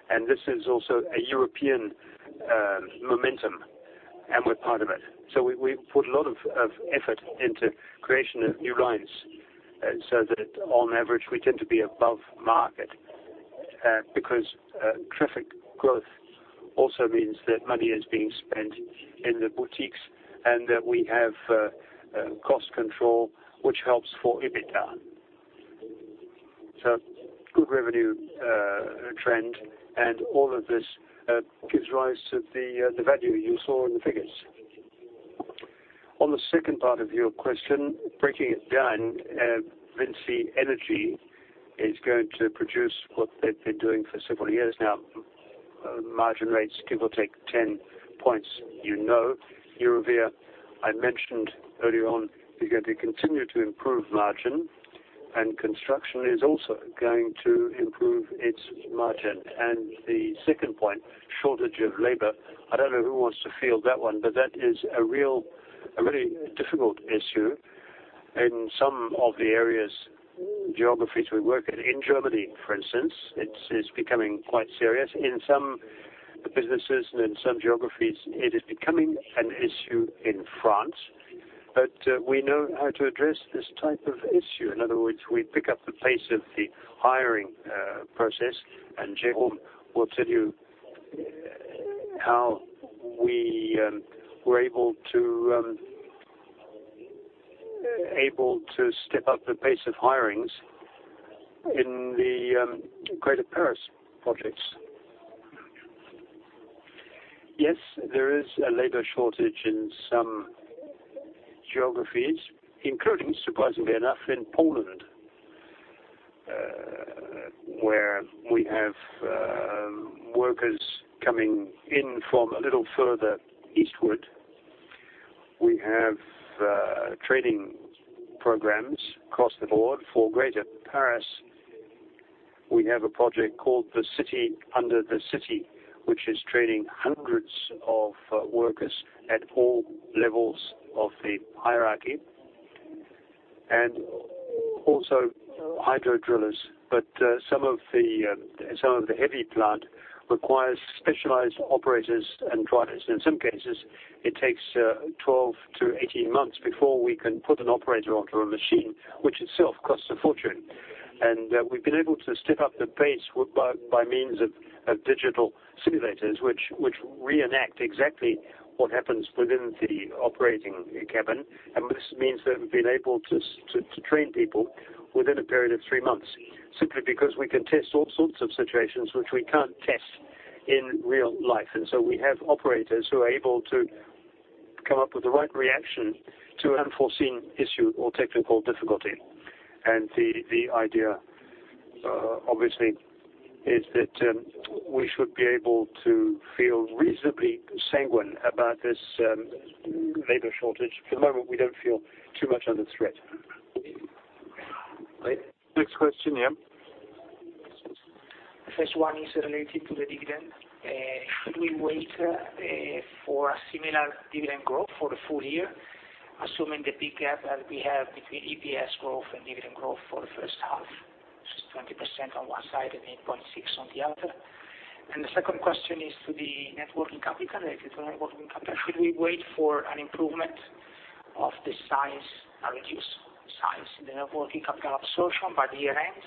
And this is also a European momentum, and we're part of it. We put a lot of effort into creation of new lines so that on average, we tend to be above market, because traffic growth also means that money is being spent in the boutiques and that we have cost control, which helps for EBITDA. Good revenue trend, and all of this gives rise to the value you saw in the figures. On the second part of your question, breaking it down, VINCI Energies is going to produce what they've been doing for several years now. Margin rates give or take 10 points, you know. Eurovia, I mentioned earlier on, is going to continue to improve margin, and construction is also going to improve its margin. The second point, shortage of labor. I don't know who wants to field that one, that is a really difficult issue. In some of the areas, geographies we work in Germany, for instance, it is becoming quite serious in some businesses and in some geographies, it is becoming an issue in France. We know how to address this type of issue. In other words, we pick up the pace of the hiring process, and Jérôme will tell you how we were able to step up the pace of hirings in the Greater Paris projects. Yes, there is a labor shortage in some geographies, including, surprisingly enough, in Poland, where we have workers coming in from a little further eastward. We have training programs across the board for Greater Paris. We have a project called The City Under the City, which is training hundreds of workers at all levels of the hierarchy. Also hydro drillers. Some of the heavy plant requires specialized operators and drivers. In some cases, it takes 12 to 18 months before we can put an operator onto a machine, which itself costs a fortune. We've been able to step up the pace by means of digital simulators, which reenact exactly what happens within the operating cabin. This means that we've been able to train people within a period of three months, simply because we can test all sorts of situations which we can't test in real life. We have operators who are able to come up with the right reaction to unforeseen issue or technical difficulty. The idea, obviously, is that we should be able to feel reasonably sanguine about this labor shortage. At the moment, we don't feel too much under threat. Great. Next question. The first one is related to the dividend. Should we wait for a similar dividend growth for the full year, assuming the big gap that we have between EPS growth and dividend growth for the first half, which is 20% on one side and 8.6% on the other? The second question is to the net working capital. Should we wait for an improvement of the size, a reduced size in the net working capital absorption by the year-end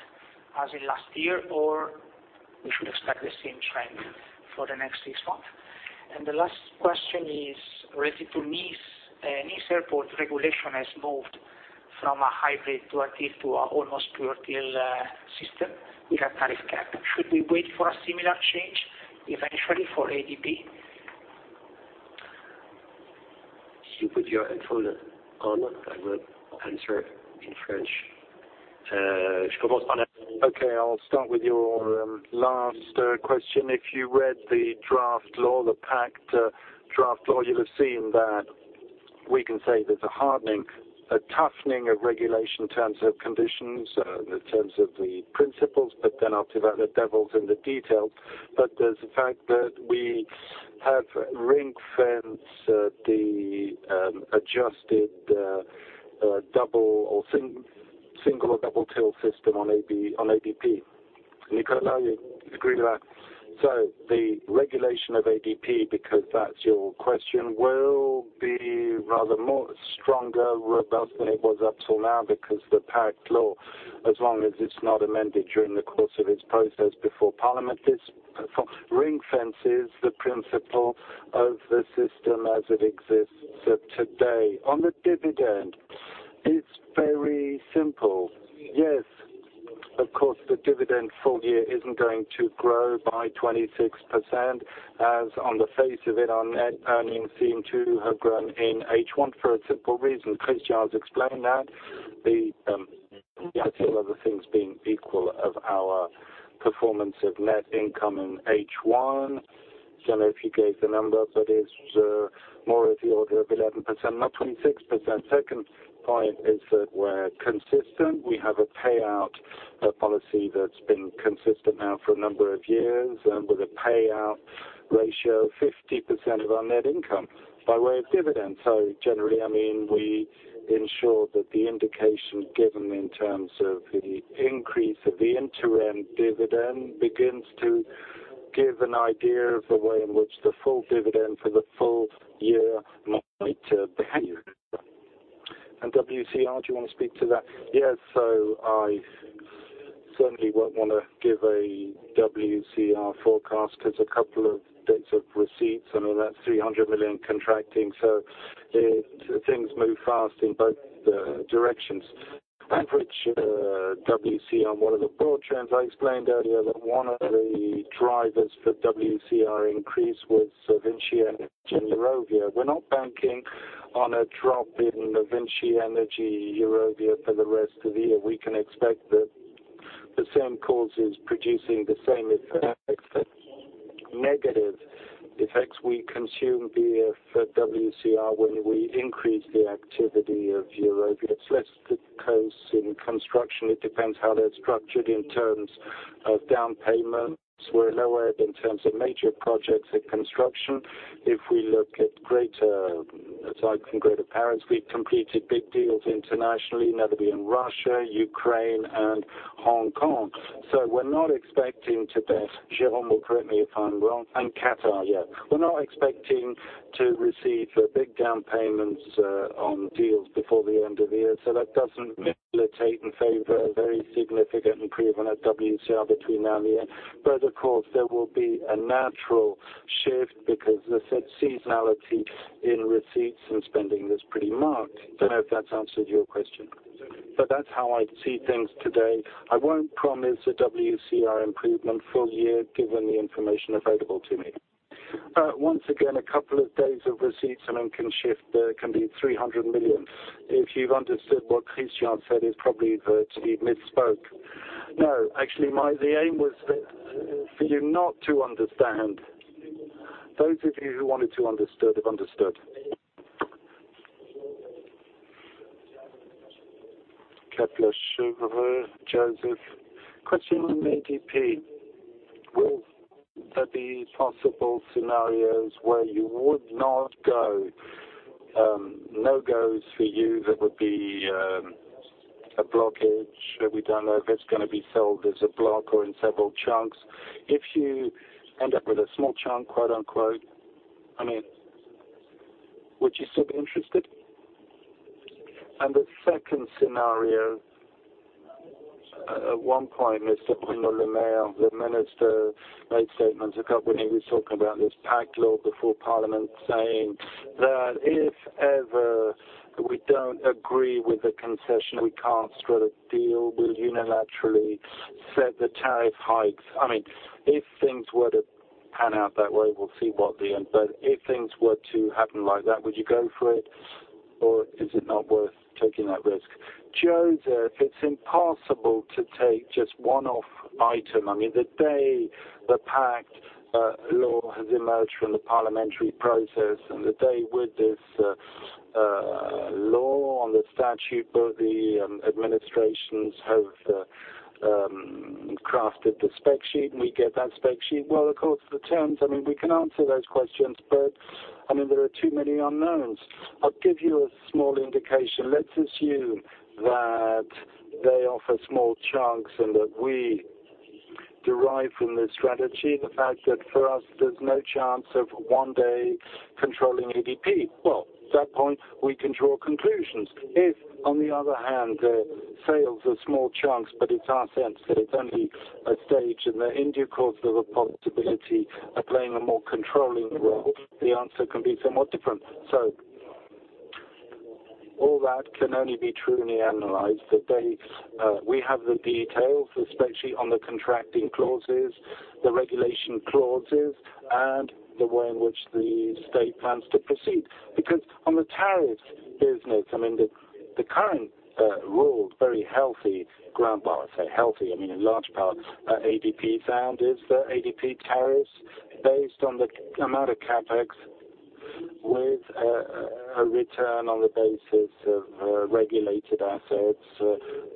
as in last year, or we should expect the same trend for the next six months? The last question is related to Nice. Nice Airport regulation has moved from a hybrid to a deep, to an almost pure dual till system with a tariff cap. Should we wait for a similar change eventually for ADP? You put your headphone on, I will answer in French. Okay, I'll start with your last question. If you read the draft law, the PACTE draft law, you'll have seen that we can say there's a hardening, a toughening of regulation in terms of conditions, in terms of the principles. After that, the devil's in the detail. There's the fact that we have ring-fence the adjusted single or dual till system on ADP. Nicolas, you agree with that? The regulation of ADP, because that's your question, will be rather more stronger, robust than it was up till now because the PACTE law, as long as it's not amended during the course of its process before parliament, ring-fences the principle of the system as it exists today. On the dividend, it's very simple. Yes, of course, the dividend full year isn't going to grow by 26% as on the face of it, our net earnings seem to have grown in H1 for a simple reason. Christian has explained that. The other things being equal of our performance of net income in H1, I don't know if you gave the number, but it's more of the order of 11%, not 26%. Second point is that we're consistent. We have a payout policy that's been consistent now for a number of years, with a payout ratio of 50% of our net income by way of dividends. Generally, we ensure that the indication given in terms of the increase of the interim dividend begins to give an idea of the way in which the full dividend for the full year might behave. WCR, do you want to speak to that? Yes. I certainly won't want to give a WCR forecast. There's a couple of dates of receipts, and that's 300 million contracting. Things move fast in both directions. Average WCR on one of the board trends, I explained earlier that one of the drivers for WCR increase was VINCI Energies and Eurovia. We're not banking on a drop in VINCI Energies, Eurovia for the rest of the year. We can expect that the same causes producing the same effects, negative effects, we consume via WCR when we increase the activity of Eurovia. It's less clear VINCI Construction, it depends how they're structured in terms of down payments. We're nowhere in terms of major projects in VINCI Construction. If we look at sites in Greater Paris, we've completed big deals internationally, notably in Russia, Ukraine, and Hong Kong. We're not expecting to bet. Jérôme will correct me if I'm wrong, and Qatar. We're not expecting to receive the big down payments on deals before the end of the year. That doesn't militate in favor a very significant improvement at WCR between now and the end. Of course, there will be a natural shift because the said seasonality in receipts and spending is pretty marked. I don't know if that's answered your question. That's how I see things today. I won't promise a WCR improvement full year, given the information available to me. Once again, a couple of days of receipts, and it can shift the complete 300 million. If you've understood what Christian said, he probably virtually misspoke. No, actually, the aim was for you not to understand. Those of you who wanted to understood, have understood. Kepler Cheuvreux, Joseph. Question on ADP. Will there be possible scenarios where you would not go, no-gos for you that would be a blockage? We don't know if it's going to be sold as a block or in several chunks. If you end up with a small chunk, quote-unquote, would you still be interested? The second scenario, at one point, Mr. Bruno Le Maire, the minister, made statements a couple of weeks, talking about this PACTE law before parliament, saying that if ever we don't agree with the concession, we can't strike a deal, we'll unilaterally set the tariff hikes. If things were to pan out that way, we'll see what the end. If things were to happen like that, would you go for it or is it not worth taking that risk? Joseph, it's impossible to take just one-off item. The day the PACTE law has emerged from the parliamentary process and the day with this law on the statute book, the administrations have crafted the spec sheet, and we get that spec sheet. Of course, the terms, we can answer those questions, but there are too many unknowns. I'll give you a small indication. Let's assume that they offer small chunks and that we derive from this strategy the fact that for us, there's no chance of one day controlling ADP. At that point, we can draw conclusions. If, on the other hand, the sales are small chunks, but it's our sense that it's only a stage and that in due course, there's a possibility of playing a more controlling role, the answer can be somewhat different. All that can only be truly analyzed the day we have the details, especially on the contracting clauses, the regulation clauses, and the way in which the state plans to proceed. Because on the tariff business, the current rules, very healthy, grandpa would say healthy, in large part, ADP tariffs are based on the amount of CapEx with a return on the basis of regulated assets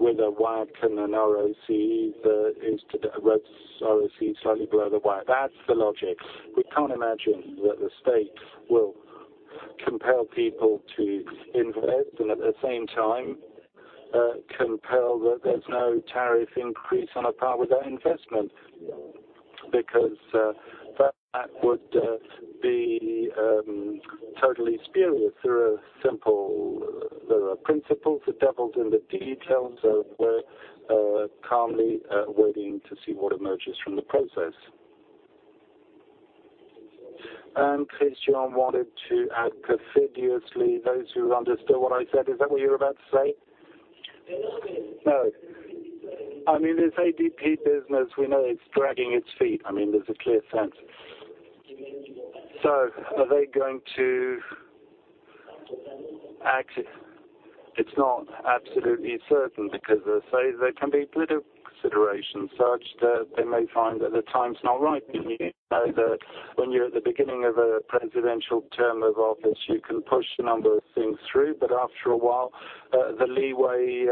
with a WACC and an ROC that is to the ROC slightly below the WACC. That is the logic. We cannot imagine that the state will compel people to invest and at the same time compel that there is no tariff increase on a par with that investment. Because that would be totally specious through a simple. There are principles, the devil is in the details. We are calmly waiting to see what emerges from the process. Christian wanted to add perfidiously, those who understood what I said, is that what you were about to say? No. This ADP business, we know it is dragging its feet. There is a clear sense. Are they going to act? It is not absolutely certain because they say there can be political considerations such that they may find that the time is not right. You know that when you are at the beginning of a presidential term of office, you can push a number of things through, but after a while, the leeway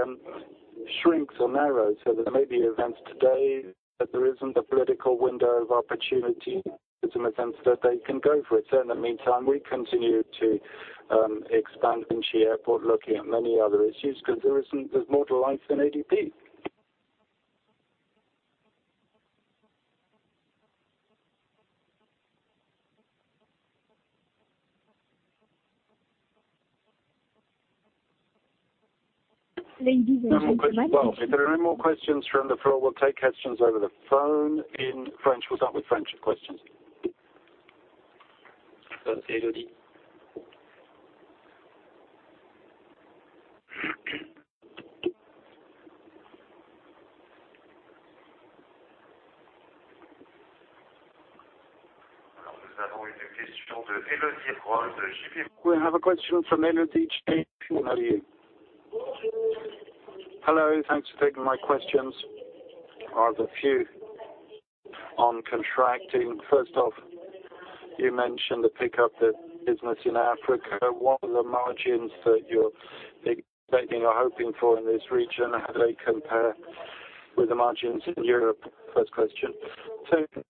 shrinks or narrows. There may be events today, that there is not a political window of opportunity in a sense that they can go for it. In the meantime, we continue to expand VINCI Airports, looking at many other issues, because there is more to life than ADP. Ladies and gentlemen. No more questions. If there are no more questions from the floor, we will take questions over the phone in French. We will start with French questions. We have a question from Elodie, JPMorgan. How are you? Hello. Thank you for taking my questions. One of the few On contracting. First off, you mentioned the pickup the business in Africa. What are the margins that you are expecting or hoping for in this region? How do they compare with the margins in Europe? First question. Second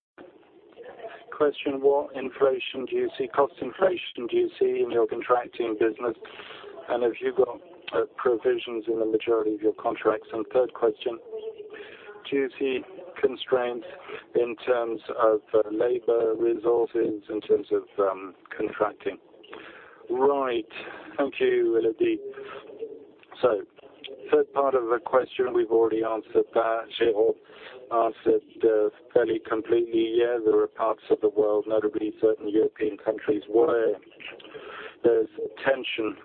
question, what inflation do you see, cost inflation do you see in your contracting business? And have you got provisions in the majority of your contracts? And third question, do you see constraints in terms of labor resources, in terms of contracting? Right. Thank you, Elodie. Third part of the question, we have already answered that. Jérôme answered fairly completely. Yeah, there are parts of the world, notably certain European countries, where there's tension on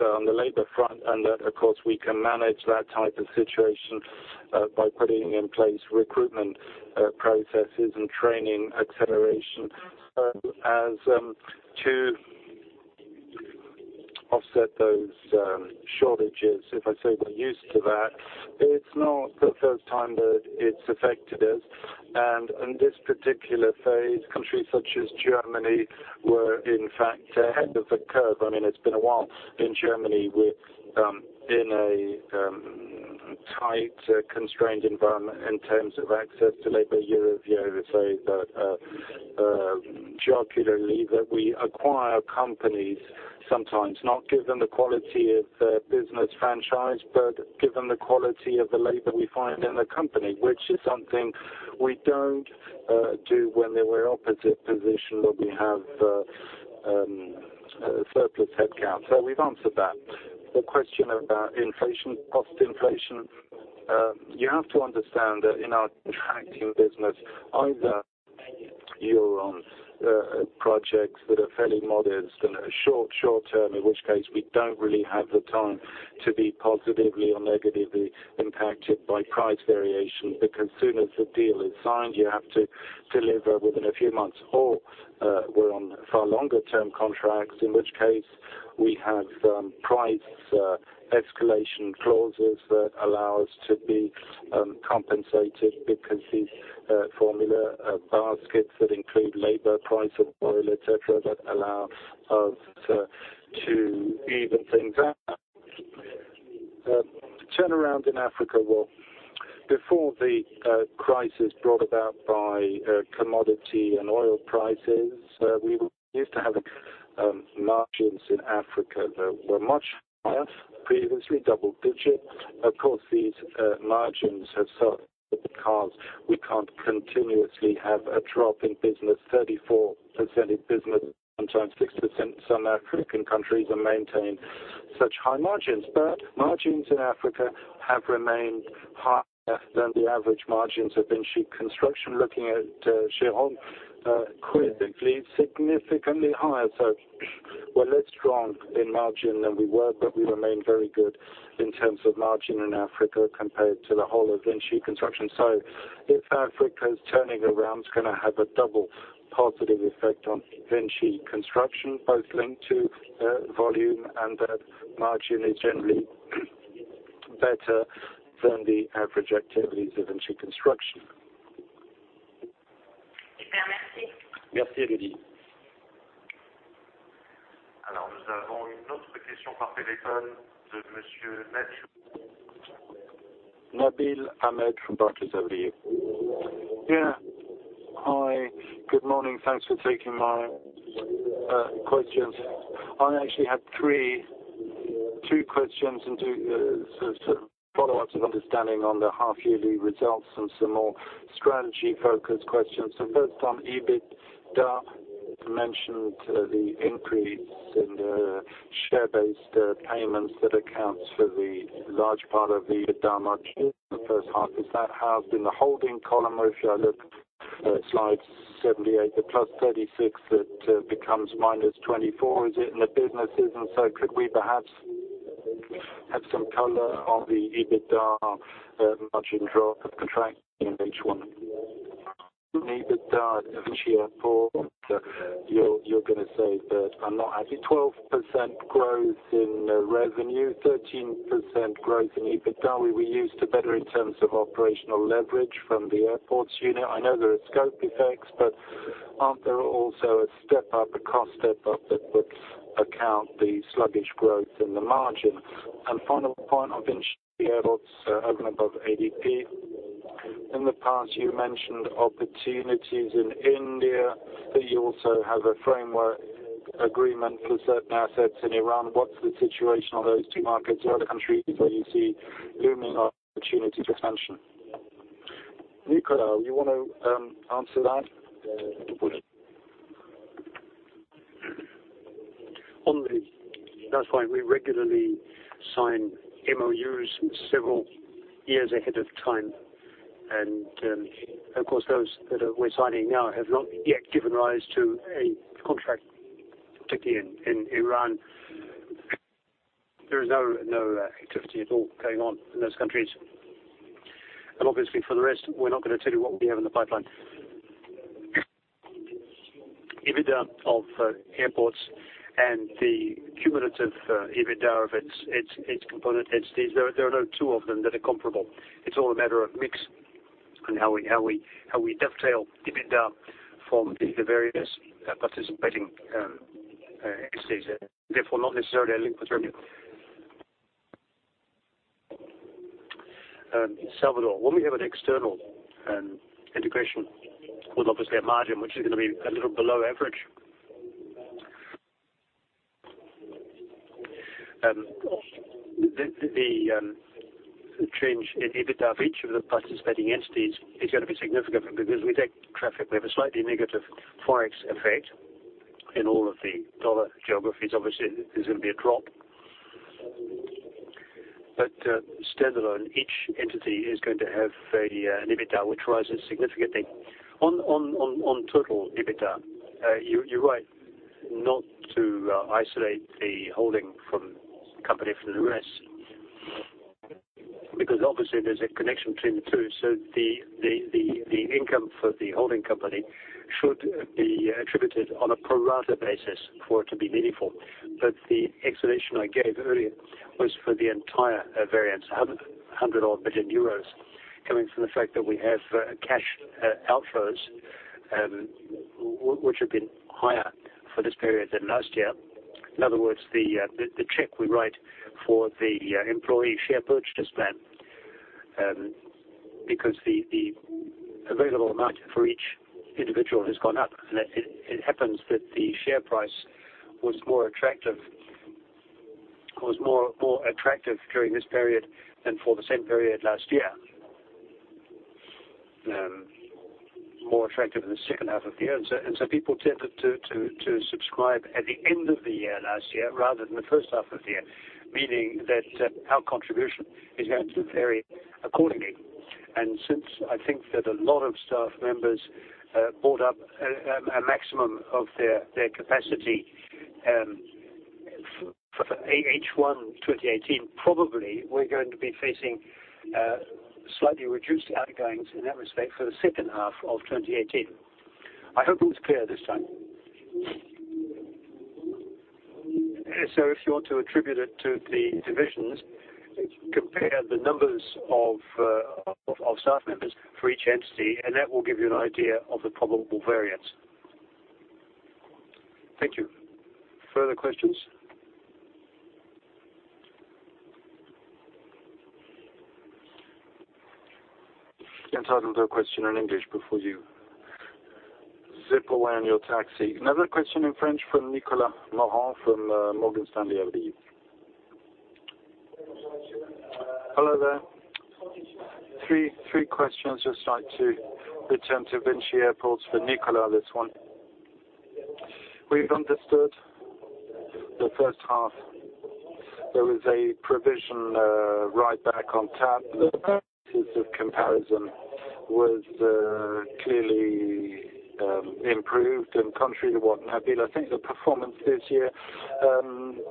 the labor front. That, of course, we can manage that type of situation by putting in place recruitment processes and training acceleration as to offset those shortages. If I say we're used to that, it's not the first time that it's affected us. In this particular phase, countries such as Germany were in fact ahead of the curve. It's been a while in Germany. We're in a tight, constrained environment in terms of access to labor. You say that, jokingly, that we acquire companies, sometimes not given the quality of the business franchise, but given the quality of the labor we find in the company, which is something we don't do when we're opposite position, where we have a surplus headcount. We've answered that. The question about inflation, cost inflation. You have to understand that in our contracting business, either you're on projects that are fairly modest and short-term, in which case, we don't really have the time to be positively or negatively impacted by price variation. As soon as the deal is signed, you have to deliver within a few months. Or we're on far longer-term contracts, in which case we have price escalation clauses that allow us to be compensated. These formula baskets that include labor, price of oil, et cetera, that allow us to even things out. Turnaround in Africa. Before the crisis brought about by commodity and oil prices, we used to have margins in Africa that were much higher previously, double digit. These margins have suffered because we can't continuously have a drop in business, 34% in business, sometimes 60% in some African countries, and maintain such high margins. Margins in Africa have remained higher than the average margins of VINCI Construction. Looking at Jérôme quickly, significantly higher. We're less strong in margin than we were, but we remain very good in terms of margin in Africa compared to the whole of VINCI Construction. If Africa is turning around, it's going to have a double positive effect on VINCI Construction, both linked to volume and that margin is generally better than the average activity of VINCI Construction. Nabil Ahmed from Barclays. Yeah. Hi. Good morning. Thanks for taking my questions. I actually had two questions and two sort of follow-ups of understanding on the half yearly results and some more strategy-focused questions. First on EBITDA, you mentioned the increase in the share-based payments that accounts for the large part of the EBITDA margin in the first half. Is that housed in the holding column? If I look at slide 78, the plus 36 that becomes -24. Is it in the businesses? Could we perhaps have some color on the EBITDA margin drop of contracting in H1? On EBITDA in VINCI Airports, you're going to say that I'm not-- Actually 12% growth in revenue, 13% growth in EBITDA. We used to better in terms of operational leverage from the airports unit. I know there are scope effects, but aren't there also a step up, a cost step up that would account the sluggish growth in the margin? Final point on VINCI Airports, opening above ADP. In the past, you mentioned opportunities in India, that you also have a framework agreement for certain assets in Iran. What's the situation on those two markets or other countries where you see looming opportunity for expansion? Nicolas, you want to answer that? Only. That is why we regularly sign MOUs several years ahead of time. Of course, those that we are signing now have not yet given rise to a contract, particularly in Iran. There is no activity at all going on in those countries. Obviously for the rest, we are not going to tell you what we have in the pipeline. EBITDA of airports and the cumulative EBITDA of its component entities, there are no two of them that are comparable. It is all a matter of mix and how we dovetail EBITDA from the various participating entities, therefore, not necessarily a linked revenue. Salvador, when we have an external integration with obviously a margin which is going to be a little below average, the change in EBITDA of each of the participating entities is going to be significant because we take traffic. We have a slightly negative Forex effect in all of the dollar geographies. Obviously, there is going to be a drop. Standalone, each entity is going to have the EBITDA, which rises significantly. On total EBITDA, you are right not to isolate the holding company from the rest, because obviously, there is a connection between the two. The income for the holding company should be attributed on a pro-rata basis for it to be meaningful. The explanation I gave earlier was for the entire variance, 100-odd billion euros coming from the fact that we have cash outflows, which have been higher for this period than last year. In other words, the check we write for the employee share purchase plan, because the available amount for each individual has gone up, and it happens that the share price was more attractive during this period than for the same period last year. More attractive in the second half of the year. People tended to subscribe at the end of the year last year, rather than the first half of the year, meaning that our contribution is going to vary accordingly. Since I think that a lot of staff members bought up a maximum of their capacity, for H1 2018, probably we are going to be facing slightly reduced outgoings in that respect for the second half of 2018. I hope it was clear this time. If you want to attribute it to the divisions, compare the numbers of staff members for each entity, and that will give you an idea of the probable variance. Thank you. Further questions? You are entitled to a question in English before you zip away on your taxi. Another question in French from Nicolas Mora from Morgan Stanley, I believe. Hello there. Three questions, just like to return to VINCI Airports for Nicolas, this one. We have understood the first half there was a provision, right back on TAP. The purposes of comparison was clearly improved and contrary to what I think the performance this year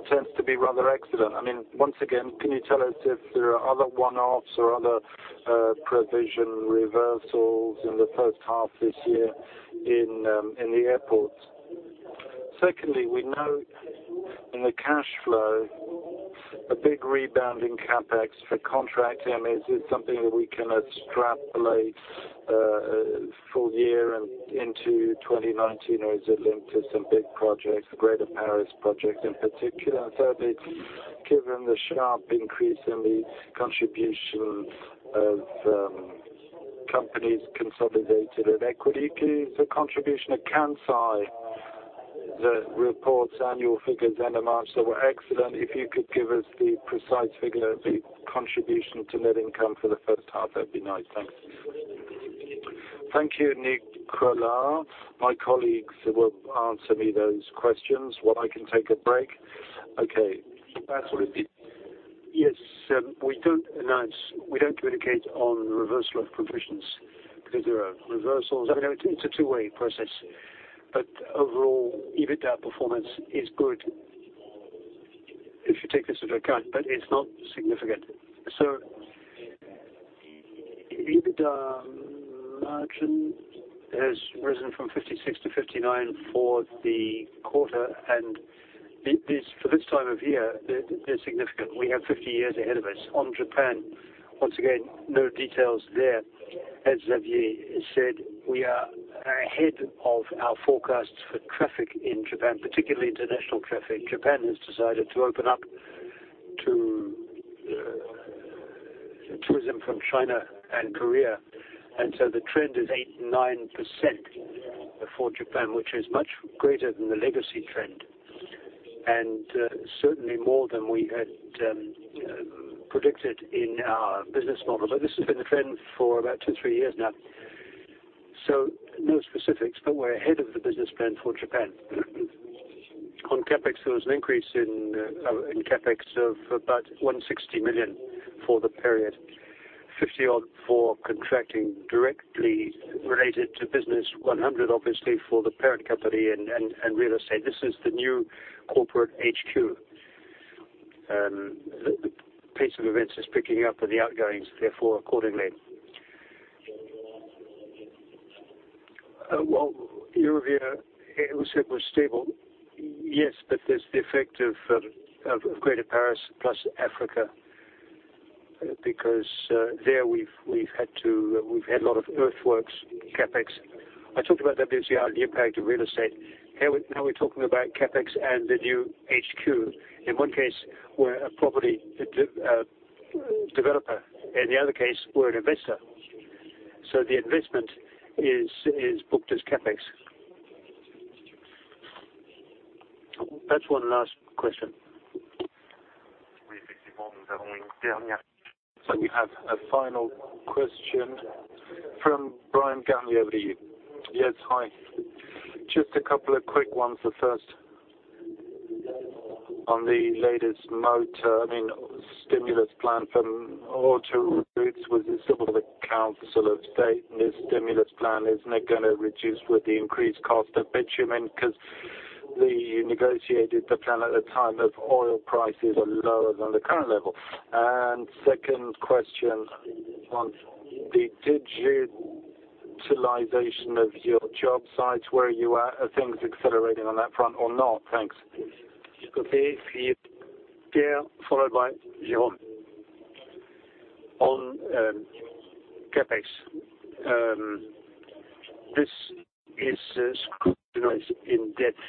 tends to be rather excellent. Once again, can you tell us if there are other one-offs or other provision reversals in the first half this year in the airports? Secondly, we note in the cash flow a big rebound in CapEx for contract. Is this something that we can extrapolate full year and into 2019, or is it linked to some big projects, the Greater Paris project in particular? Thirdly, given the sharp increase in the contribution of companies consolidated in equity, can you give us a contribution of Kansai that reports annual figures end of March that were excellent, if you could give us the precise figure of the contribution to net income for the first half, that'd be nice. Thanks. Thank you, Nicolas. My colleagues will answer me those questions while I can take a break. Okay. Patrick. Yes. We don't communicate on reversal of provisions because there are reversals. It's a two-way process. Overall, EBITDA performance is good if you take this into account, but it's not significant. EBITDA margin has risen from 56% to 59% for the quarter, and for this time of year, it is significant. We have 50 years ahead of us. On Japan, once again, no details there. As Xavier has said, we are ahead of our forecasts for traffic in Japan, particularly international traffic. Japan has decided to open up to tourism from China and Korea, the trend is 89% for Japan, which is much greater than the legacy trend, and certainly more than we had predicted in our business model. This has been the trend for about two, three years now. No specifics, but we're ahead of the business plan for Japan. On CapEx, there was an increase in CapEx of about 160 million for the period, 50 odd for contracting directly related to business, 100 obviously for the parent company and real estate. This is the new corporate HQ. The pace of events is picking up and the outgoings, therefore, accordingly. Eurovia, it was said was stable. Yes. There's the effect of Greater Paris plus Africa, there we've had a lot of earthworks CapEx. I talked about that with the impact of real estate. We're talking about CapEx and the new HQ. In one case, we're a property developer, in the other case, we're an investor. The investment is booked as CapEx. Perhaps one last question. We have a final question from Bryan Garnier with you. Yes. Hi. Just a couple of quick ones. The first, on the latest motor, I mean, stimulus plan from autoroutes with the Conseil d'État and this stimulus plan, is it going to reduce with the increased cost of bitumen? They negotiated the plan at a time of oil prices are lower than the current level. Second question, on the digitalization of your job sites, where you are things accelerating on that front or not? Thanks. Followed by Johan. On CapEx. This is scrutinized in depth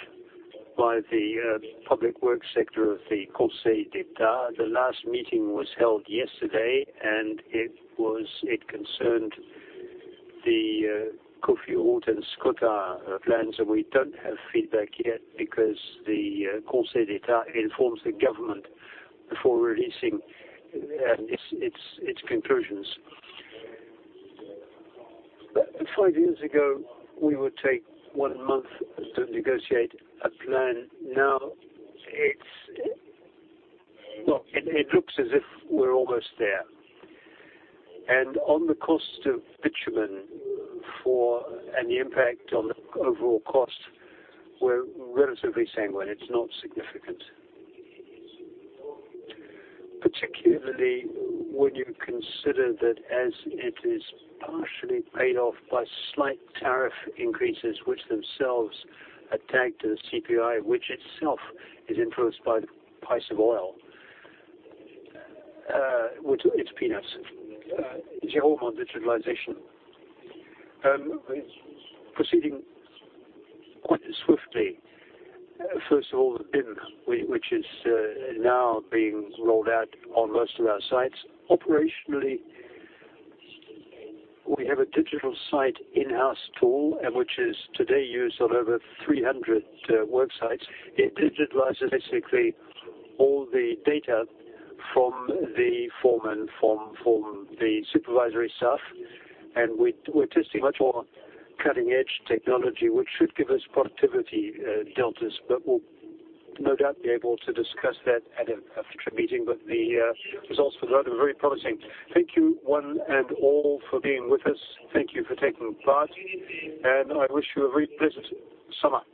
by the public works sector of the Conseil d'État. The last meeting was held yesterday. It concerned the Cofiroute and Escota plans, and we don't have feedback yet because the Conseil d'État informs the government before releasing its conclusions. Five years ago, we would take one month to negotiate a plan. Now, it looks as if we're almost there. On the cost of bitumen and the impact on the overall cost, we're relatively sanguine. It's not significant. Particularly when you consider that as it is partially paid off by slight tariff increases, which themselves are tagged to the CPI, which itself is influenced by the price of oil, it's peanuts. Johan, digitalization. Proceeding quite swiftly. First of all, the BIM, which is now being rolled out on most of our sites. Operationally, we have a digital site in-house tool, which is today used on over 300 work sites. It digitalizes basically all the data from the foreman, from the supervisory staff. We're testing much more cutting-edge technology, which should give us productivity deltas, but we'll no doubt be able to discuss that at a future meeting. The results for that are very promising. Thank you one and all for being with us. Thank you for taking part, and I wish you a very pleasant summer.